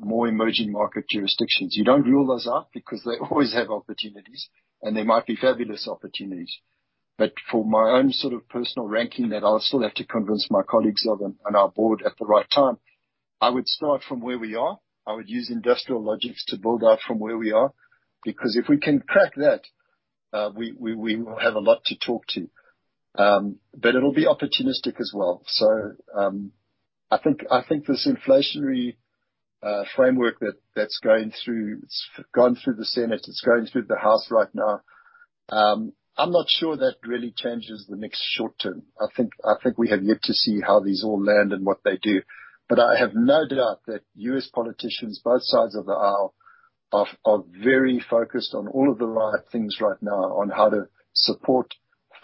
more emerging market jurisdictions. You don't rule those out because they always have opportunities, and they might be fabulous opportunities. For my own sort of personal ranking that I'll still have to convince my colleagues of and our board at the right time, I would start from where we are. I would use industrial logics to build out from where we are, because if we can crack that, we will have a lot to talk to. It'll be opportunistic as well. I think this Inflation Reduction Act that's going through, it's gone through the Senate, it's going through the House right now, I'm not sure that really changes the next short term. I think we have yet to see how these all land and what they do. I have no doubt that U.S. politicians, both sides of the aisle, are very focused on all of the right things right now on how to support,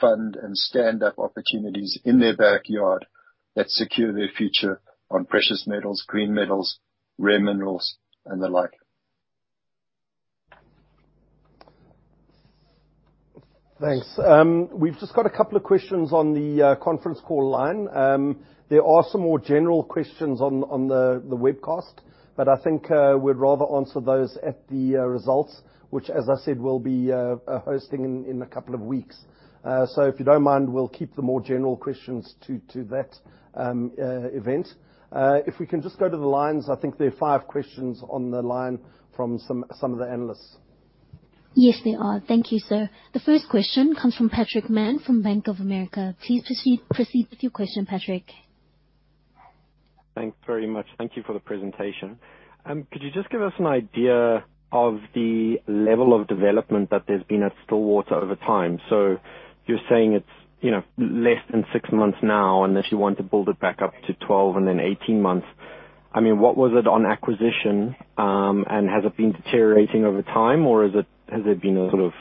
fund, and stand up opportunities in their backyard that secure their future on precious metals, green metals, rare minerals and the like. Thanks. We've just got a couple of questions on the conference call line. There are some more general questions on the webcast. I think we'd rather answer those at the results, which, as I said, we'll be hosting in a couple of weeks. If you don't mind, we'll keep the more general questions to that event. If we can just go to the lines, I think there are five questions on the line from some of the analysts. Yes, there are. Thank you, sir. The first question comes from Patrick Mann from Bank of America. Please proceed with your question, Patrick. Thanks very much. Thank you for the presentation. Could you just give us an idea of the level of development that there's been at Stillwater over time? You're saying it's, you know, less than six months now, unless you want to build it back up to 12 months and then 18 months. I mean, what was it on acquisition, and has it been deteriorating over time, or has there been a sort of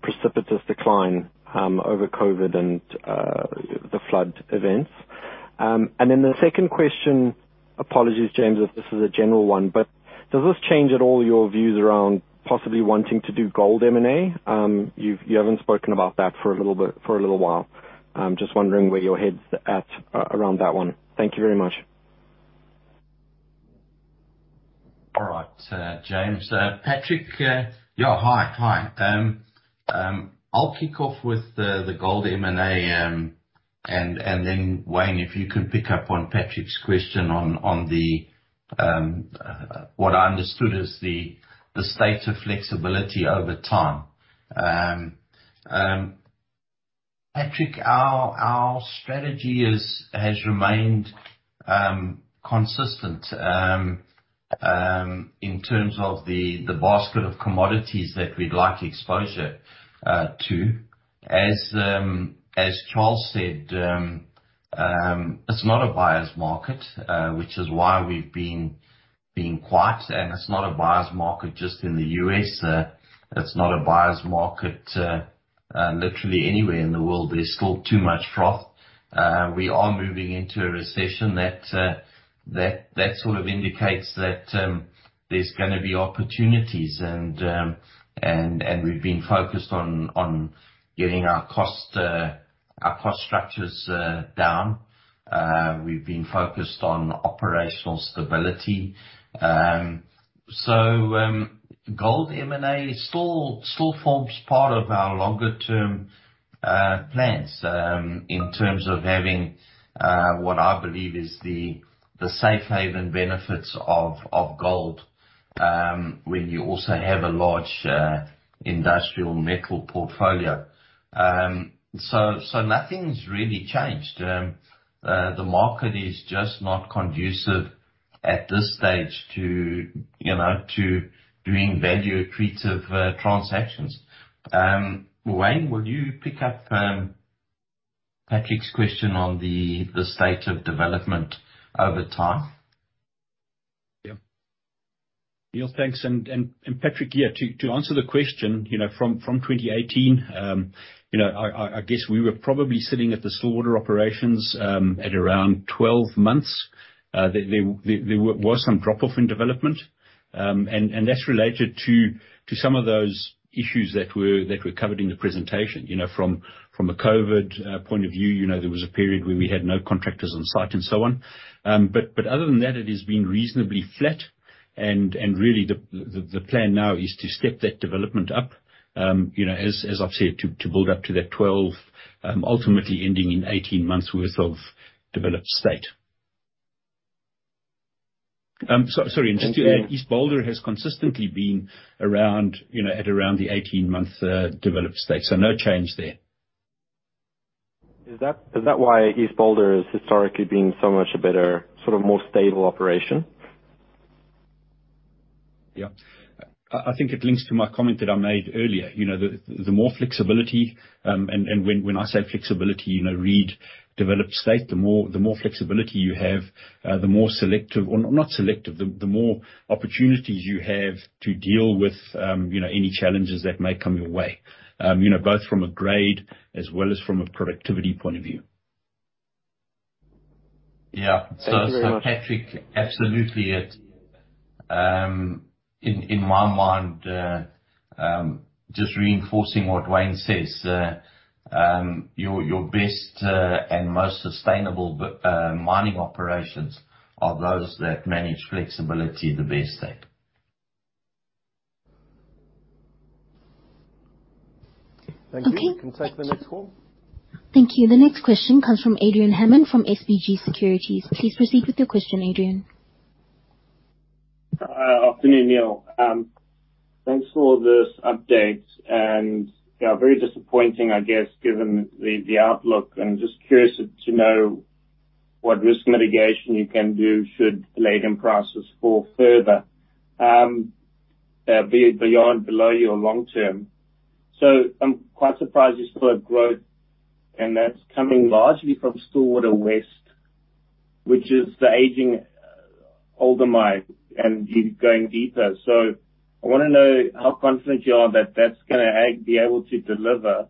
precipitous decline over COVID and the flood events? The second question, apologies, James, if this is a general one, but does this change at all your views around possibly wanting to do gold M&A? You haven't spoken about that for a little bit, for a little while. I'm just wondering where your head's at around that one. Thank you very much. All right, James. Patrick, yeah, hi. Hi. I'll kick off with the gold M&A, and then, Wayne, if you can pick up on Patrick's question on what I understood is the state of flexibility over time. Patrick, our strategy has remained consistent in terms of the basket of commodities that we'd like exposure to. As Charles said, it's not a buyer's market, which is why we've been quiet. It's not a buyer's market just in the U.S., it's not a buyer's market literally anywhere in the world. There's still too much froth. We are moving into a recession that sort of indicates that there's gonna be opportunities and we've been focused on getting our cost structures down. We've been focused on operational stability. Gold M&A still forms part of our longer term plans in terms of having what I believe is the safe haven benefits of gold when you also have a large industrial metal portfolio. Nothing's really changed. The market is just not conducive at this stage to you know doing value accretive transactions. Wayne, will you pick up Patrick's question on the state of development over time? Yeah. Neal, thanks. And Patrick, yeah, to answer the question, you know, from 2018, you know, I guess we were probably sitting at the Stillwater operations at around 12 months. There was some drop off in development, and that's related to some of those issues that were covered in the presentation. You know, from a COVID point of view, you know, there was a period where we had no contractors on site and so on. But other than that, it has been reasonably flat. Really the plan now is to step that development up, you know, as I've said, to build up to that 12 months, ultimately ending in 18 months worth of developed state. Sorry, just to add, East Boulder has consistently been around, you know, at around the 18-month developed state. No change there. Is that why East Boulder has historically been so much better, sort of more stable operation? Yeah. I think it links to my comment that I made earlier. You know, the more flexibility, and when I say flexibility, you know, a well-developed state, the more flexibility you have, the more selective or not selective, the more opportunities you have to deal with, you know, any challenges that may come your way, you know, both from a grade as well as from a productivity point of view. Yeah. Thank you very much. Patrick, absolutely. In my mind, just reinforcing what Wayne says, your best and most sustainable mining operations are those that manage flexibility the best. Thank you. Okay. You can take the next call. Thank you. The next question comes from Adrian Hammond from SBG Securities. Please proceed with your question, Adrian. Afternoon, Neal. Thanks for this update. Yeah, very disappointing, I guess, given the outlook. I'm just curious to know what risk mitigation you can do should palladium prices fall further, beyond below your long-term. I'm quite surprised you still have growth, and that's coming largely from Stillwater West, which is the aging older mine, and you're going deeper. I wanna know how confident you are that that's gonna be able to deliver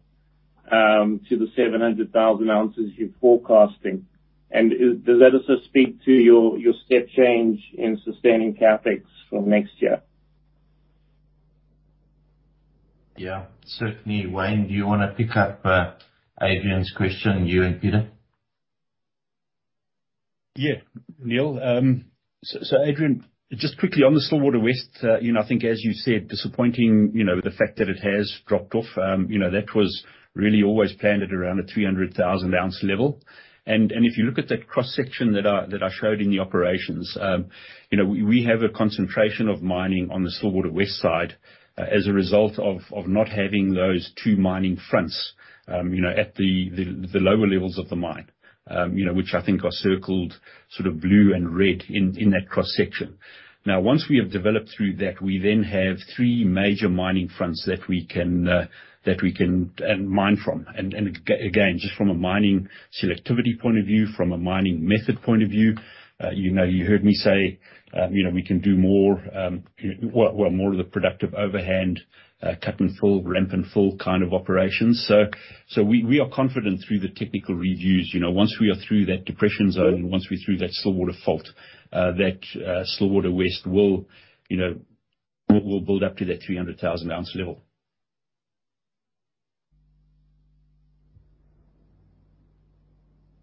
to the 700,000 oz you're forecasting. Does that also speak to your step change in sustaining CapEx for next year? Yeah, certainly. Wayne, do you wanna pick up Adrian's question, you and Pieter? Neal. Adrian, just quickly on the Stillwater West, you know, I think as you said, disappointing, you know, the fact that it has dropped off. You know, that was really always planned at around the 300,000 oz level. If you look at that cross-section that I showed in the operations, you know, we have a concentration of mining on the Stillwater West Side, as a result of not having those two mining fronts, you know, at the lower levels of the mine, you know, which I think are circled sort of blue and red in that cross-section. Once we have developed through that, we then have three major mining fronts that we can mine from. Just from a mining selectivity point of view, from a mining method point of view, you know, you heard me say, you know, we can do more, well more of the productive overhand cut and fill, ramp and fill kind of operations. We are confident through the technical reviews, you know, once we are through that depression zone and once we're through that Stillwater fault, that Stillwater West will, you know, will build up to that 300,000 oz level.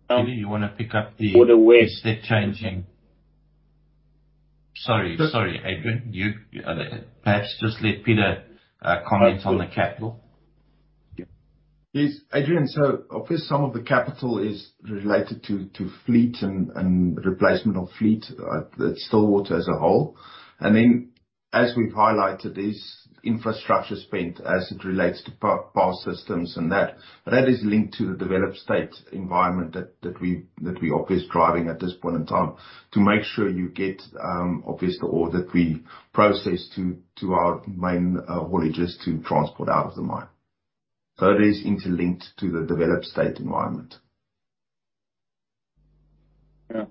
Pieter, you wanna pick up the. For the West Sorry, Adrian. You perhaps just let Pieter comment on the capital. Yes. Adrian, obviously some of the capital is related to fleet and replacement of fleet at Stillwater as a whole. Then as we've highlighted, is infrastructure spend as it relates to power systems, and that is linked to the developed state environment that we're obviously driving at this point in time to make sure you get obviously the ore that we've processed to our main haulages to transport out of the mine. It is interlinked to the developed state environment. Yeah.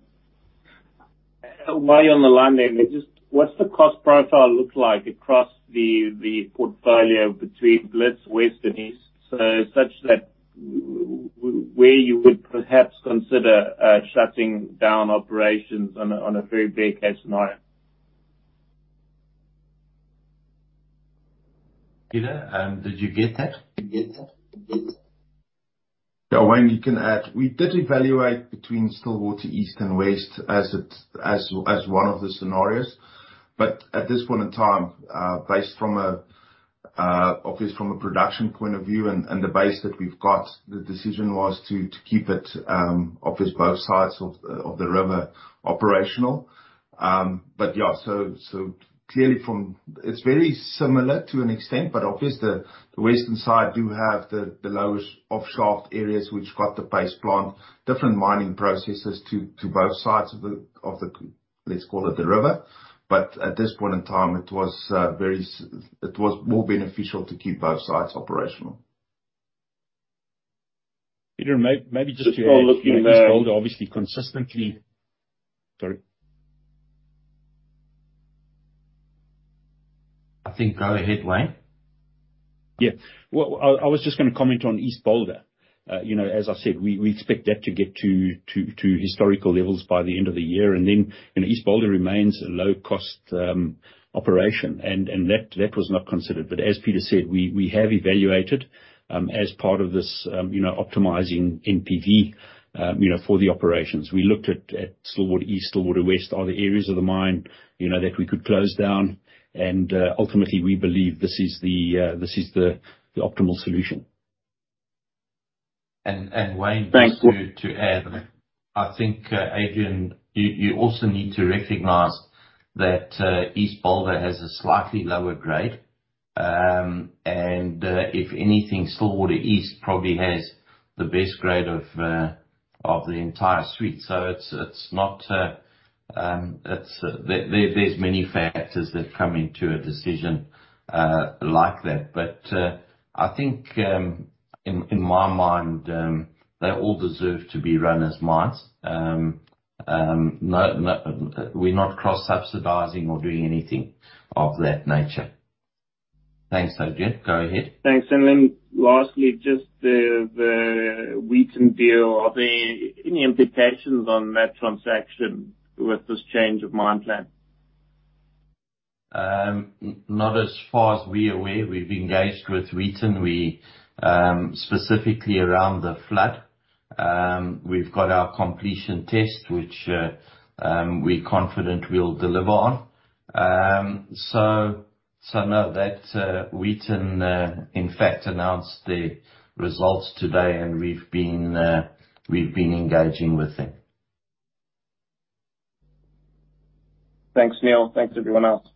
While you're on the line then, just what's the cost profile look like across the portfolio between Blitz West and East, so such that where you would perhaps consider shutting down operations on a very bear case scenario? Pieter, did you get that? Yeah, Wayne, you can add, we did evaluate between Stillwater East and West as one of the scenarios. At this point in time, based, obviously from a production point of view and the base that we've got, the decision was to keep it, obviously both sides of the river operational. Clearly, it's very similar to an extent, but obviously the western side do have the lowest off-shaft areas which got the base plant, different mining processes to both sides of the, let's call it the river. At this point in time, it was more beneficial to keep both sides operational. Pieter Henning, maybe just to add. Just while looking there. You know, East Boulder obviously consistently. Sorry. I think go ahead, Wayne. Yeah. Well, I was just gonna comment on East Boulder. You know, as I said, we expect that to get to historical levels by the end of the year. You know, East Boulder remains a low-cost operation. That was not considered. As Pieter said, we have evaluated as part of this, you know, optimizing NPV, you know, for the operations. We looked at Stillwater East, Stillwater West. Are there areas of the mine, you know, that we could close down? Ultimately we believe this is the optimal solution. Wayne. Thanks. To add, I think, Adrian, you also need to recognize that East Boulder has a slightly lower grade. If anything, Stillwater East probably has the best grade of the entire suite. It's not. There are many factors that come into a decision like that. I think in my mind they all deserve to be run as mines. No, we're not cross-subsidizing or doing anything of that nature. Thanks, Adrian. Go ahead. Thanks. Lastly, just the Wheaton deal. Are there any implications on that transaction with this change of mine plan? Not as far as we're aware. We've engaged with Wheaton. We specifically around the flood. We've got our completion test, which we're confident we'll deliver on. No. Wheaton in fact announced the results today and we've been engaging with them. Thanks, Neal. Thanks everyone else.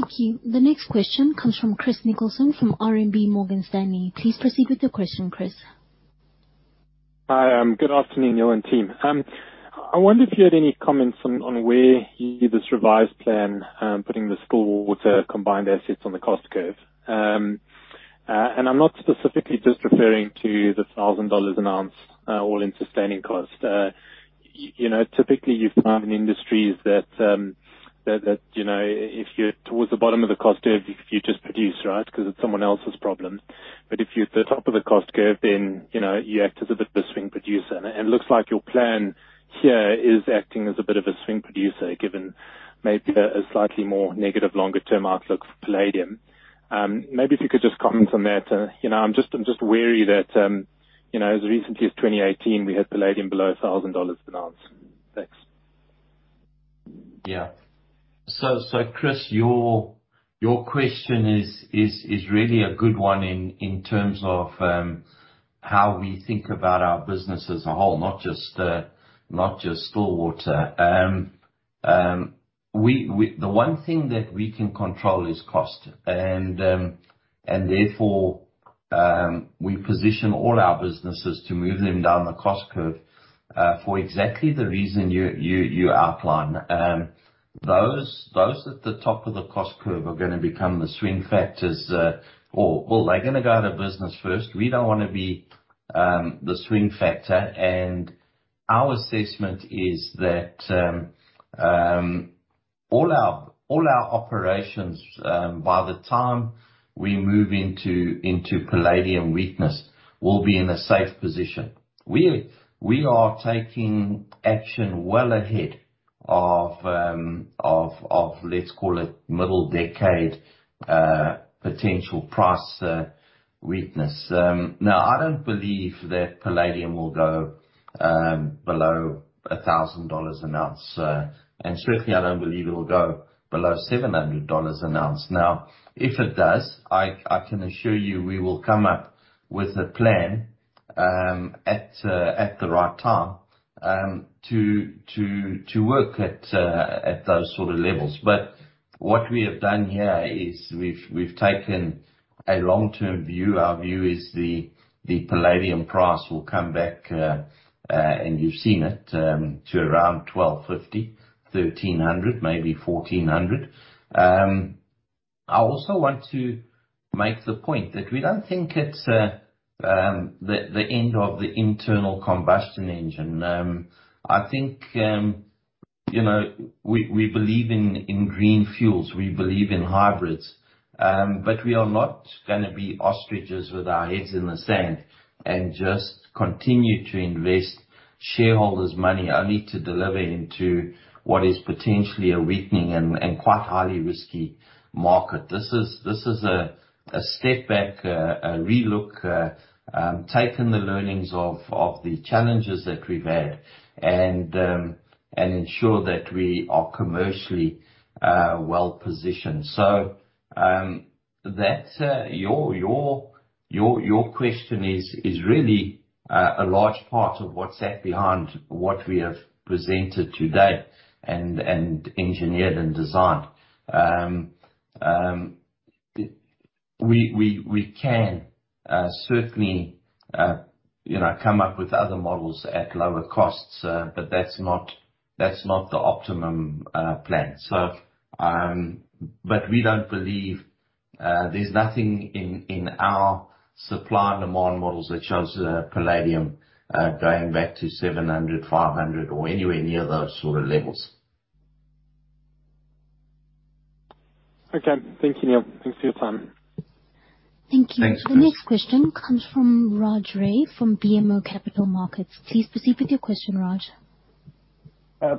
Thank you. The next question comes from Chris Nicholson from RMB Morgan Stanley. Please proceed with your question, Chris. Hi. Good afternoon, Neal and team. I wondered if you had any comments on where you see this revised plan putting the Stillwater combined assets on the cost curve. I'm not specifically just referring to the $1,000 an ounce all-in sustaining cost. You know, typically you find in industries that that you know, if you're towards the bottom of the cost curve, you just produce, right? 'Cause it's someone else's problem. If you're at the top of the cost curve, then you know, you act as a bit of a swing producer. It looks like your plan here is acting as a bit of a swing producer, given maybe a slightly more negative longer term outlook for palladium. Maybe if you could just comment on that. You know, I'm just wary that, you know, as recently as 2018, we had palladium below $1,000 an ounce. Thanks. Yeah. Chris, your question is really a good one in terms of how we think about our business as a whole, not just Stillwater. The one thing that we can control is cost. Therefore, we position all our businesses to move them down the cost curve, for exactly the reason you outline. Those at the top of the cost curve are gonna become the swing factors, or they're gonna go out of business first. We don't wanna be the swing factor. Our assessment is that all our operations, by the time we move into palladium weakness will be in a safe position. We are taking action well ahead of let's call it middle decade potential price weakness. Now I don't believe that palladium will go below $1,000 an ounce. Certainly I don't believe it will go below $700 an ounce. Now, if it does, I can assure you we will come up with a plan at the right time to work at those sort of levels. What we have done here is we've taken a long-term view. Our view is the palladium price will come back and you've seen it to around $1,250, $1,300, maybe $1,400. I also want to make the point that we don't think it's the end of the internal combustion engine. I think, you know, we believe in green fuels. We believe in hybrids. We are not gonna be ostriches with our heads in the sand and just continue to invest shareholders' money only to deliver into what is potentially a weakening and quite highly risky market. This is a step back, a relook, taking the learnings of the challenges that we've had and ensure that we are commercially well-positioned. That's your question is really a large part of what sat behind what we have presented today and engineered and designed. We can certainly, you know, come up with other models at lower costs, but that's not the optimum plan. We don't believe there's nothing in our supply and demand models that shows palladium going back to 700, 500 or anywhere near those sort of levels. Okay. Thank you, Neal. Thanks for your time. Thanks, Chris. Thank you. The next question comes from Raj Ray from BMO Capital Markets. Please proceed with your question, Raj.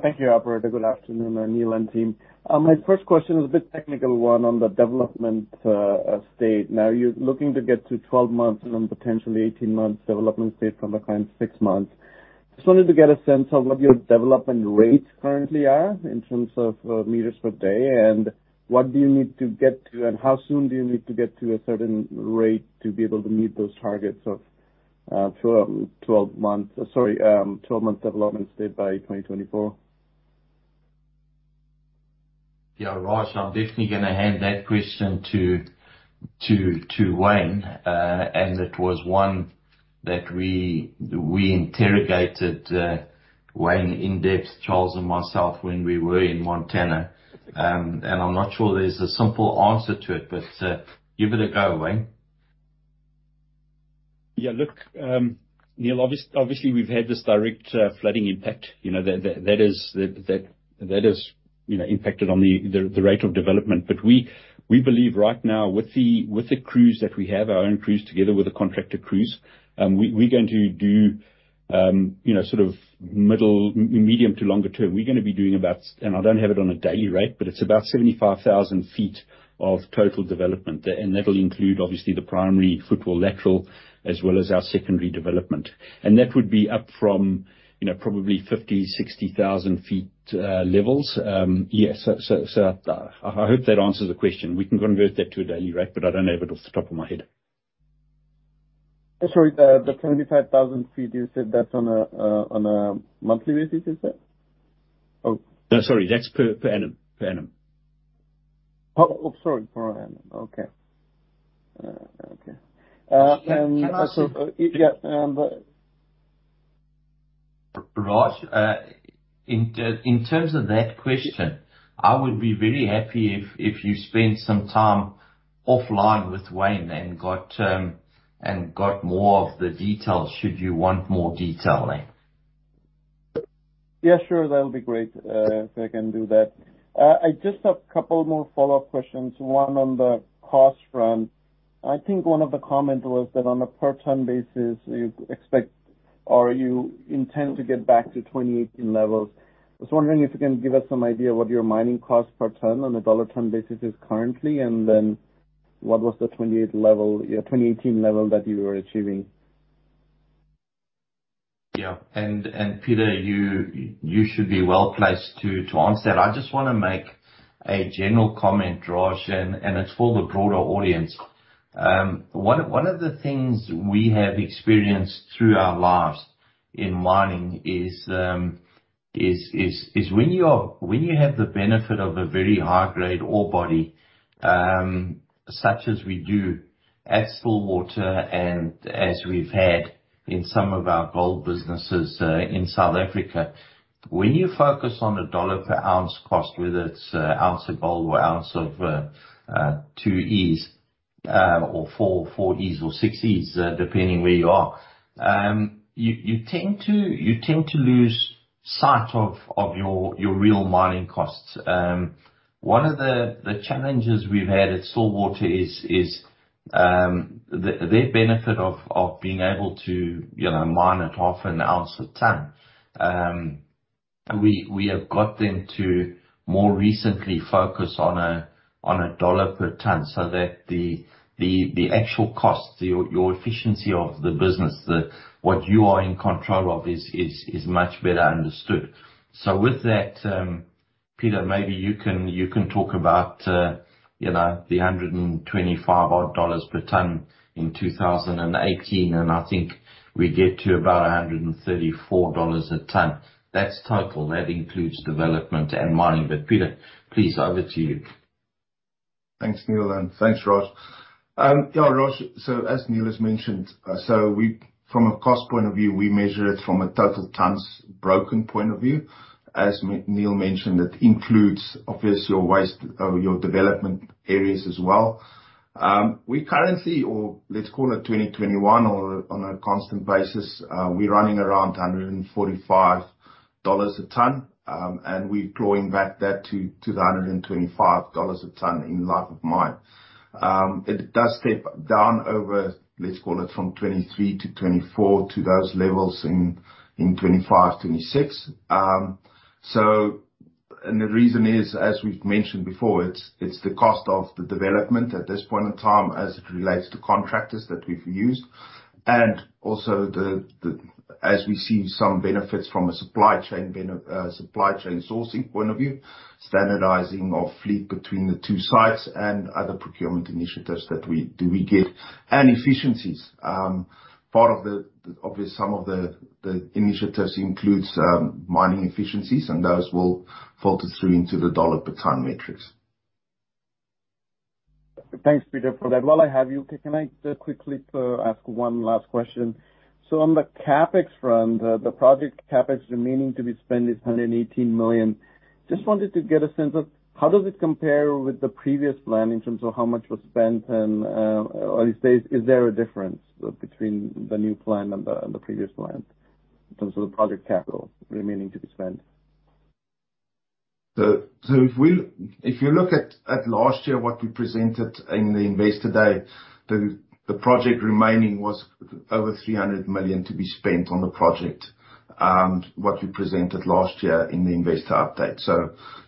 Thank you, operator. Good afternoon, Neal and team. My first question is a bit technical one on the development rate. Now you're looking to get to 12 months and then potentially 18 months development rate from the current six months. Just wanted to get a sense of what your development rates currently are in terms of meters per day. What do you need to get to, and how soon do you need to get to a certain rate to be able to meet those targets of 12 months development rate by 2024? Yeah, Raj, I'm definitely gonna hand that question to Wayne. It was one that we interrogated Wayne in-depth, Charles and myself, when we were in Montana. I'm not sure there's a simple answer to it, but give it a go, Wayne. Yeah, look, Ray, obviously we've had this direct flooding impact. You know, that is, you know, impacted on the rate of development. We believe right now with the crews that we have, our own crews together with the contractor crews, we're going to do, you know, sort of middle medium to longer term. We're gonna be doing about 75,000 feet of total development. I don't have it on a daily rate, but it's about 75,000 feet of total development. That'll include obviously the primary footwall lateral as well as our secondary development. That would be up from, you know, probably 50,000 feet-60,000 feet levels. I hope that answers the question. We can convert that to a daily rate, but I don't have it off the top of my head. Sorry, the 75,000 feet, you said that's on a monthly basis, is it? Oh. No, sorry, that's per annum. Per annum. Oh, sorry, per annum. Okay. Okay. Also. Can I- Yeah. Raj, in terms of that question, I would be very happy if you spend some time offline with Wayne and got more of the details should you want more detail there. Yeah, sure. That'll be great, if I can do that. I just have couple more follow-up questions. One on the cost front. I think one of the comment was that on a per ton basis, you intend to get back to 2018 levels. I was wondering if you can give us some idea what your mining costs per ton on a dollar ton basis is currently, and then what was the 2018 level that you were achieving. Yeah. Pieter, you should be well placed to answer that. I just wanna make a general comment, Raj, it's for the broader audience. One of the things we have experienced through our lives in mining is when you have the benefit of a very high grade ore body, such as we do at Stillwater and as we've had in some of our gold businesses in South Africa. When you focus on a dollar per ounce cost, whether it's ounce of gold or ounce of two Es, or four Es or six Es, depending where you are, you tend to lose sight of your real mining costs. One of the challenges we've had at Stillwater is the benefit of being able to, you know, mine at half an ounce a ton. We have got them to more recently focus on a dollar per ton so that the actual cost, your efficiency of the business, what you are in control of is much better understood. With that, Pieter, maybe you can talk about, you know, the $125-odd per ton in 2018, and I think we get to about a $134 a ton. That's total. That includes development and mining. Pieter, please, over to you. Thanks, Neal, and thanks, Raj. Yeah, Raj, so as Neal has mentioned, so from a cost point of view, we measure it from a total tons broken point of view. As Neal mentioned, it includes obviously your waste, your development areas as well. We currently or let's call it 2021 or on a constant basis, we're running around $145 a ton. And we're clawing back that to the $125 a ton in life of mine. It does step down over, let's call it from 2023 to 2024 to those levels in 2025, 2026. And the reason is, as we've mentioned before, it's the cost of the development at this point in time as it relates to contractors that we've used. also as we see some benefits from a supply chain sourcing point of view, standardizing of fleet between the two sites and other procurement initiatives that we get. Efficiencies, part of the obvious some of the initiatives includes mining efficiencies, and those will filter through into the dollar per ton metrics. Thanks, Pieter, for that. While I have you, can I quickly ask one last question? On the CapEx front, the project CapEx remaining to be spent is 118 million. Just wanted to get a sense of how does it compare with the previous plan in terms of how much was spent and, or is there a difference between the new plan and the previous plan in terms of the project capital remaining to be spent? If you look at last year, what we presented in the Investor Day, the project remaining was over 300 million to be spent on the project, what we presented last year in the Investor Update.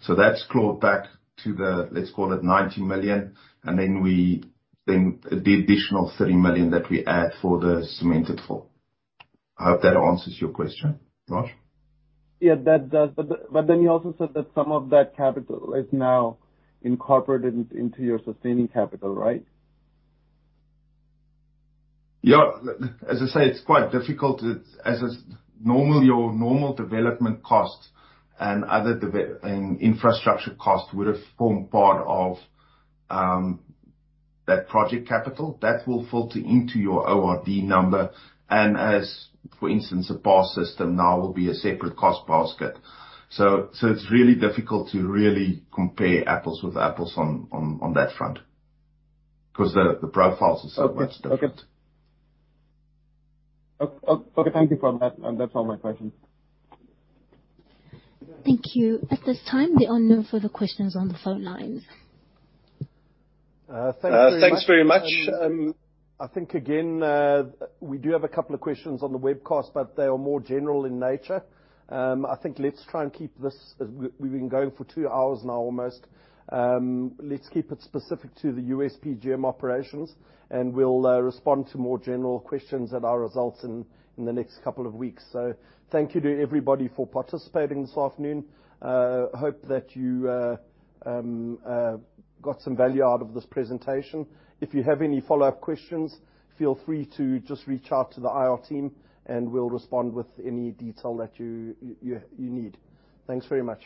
That's clawed back to the, let's call it 90 million, and then the additional 30 million that we add for the cemented fill. I hope that answers your question, Raj. Yeah. That does. You also said that some of that capital is now incorporated into your sustaining capital, right? Yeah. It's quite difficult, as is normal, your normal development costs and other infrastructure costs would have formed part of that project capital. That will filter into your ORD number. As, for instance, a power system now will be a separate cost basket. It's really difficult to really compare apples with apples on that front 'cause the profiles are so much different. Okay. Thank you for that. That's all my questions. Thank you. At this time, there are no further questions on the phone lines. Thanks very much. Thanks very much. I think again, we do have a couple of questions on the webcast, but they are more general in nature. I think let's try and keep this as we've been going for two hours now almost. Let's keep it specific to the U.S.PGM operations, and we'll respond to more general questions at our results in the next couple of weeks. Thank you to everybody for participating this afternoon. Hope that you got some value out of this presentation. If you have any follow-up questions, feel free to just reach out to the IR team and we'll respond with any detail that you need. Thanks very much.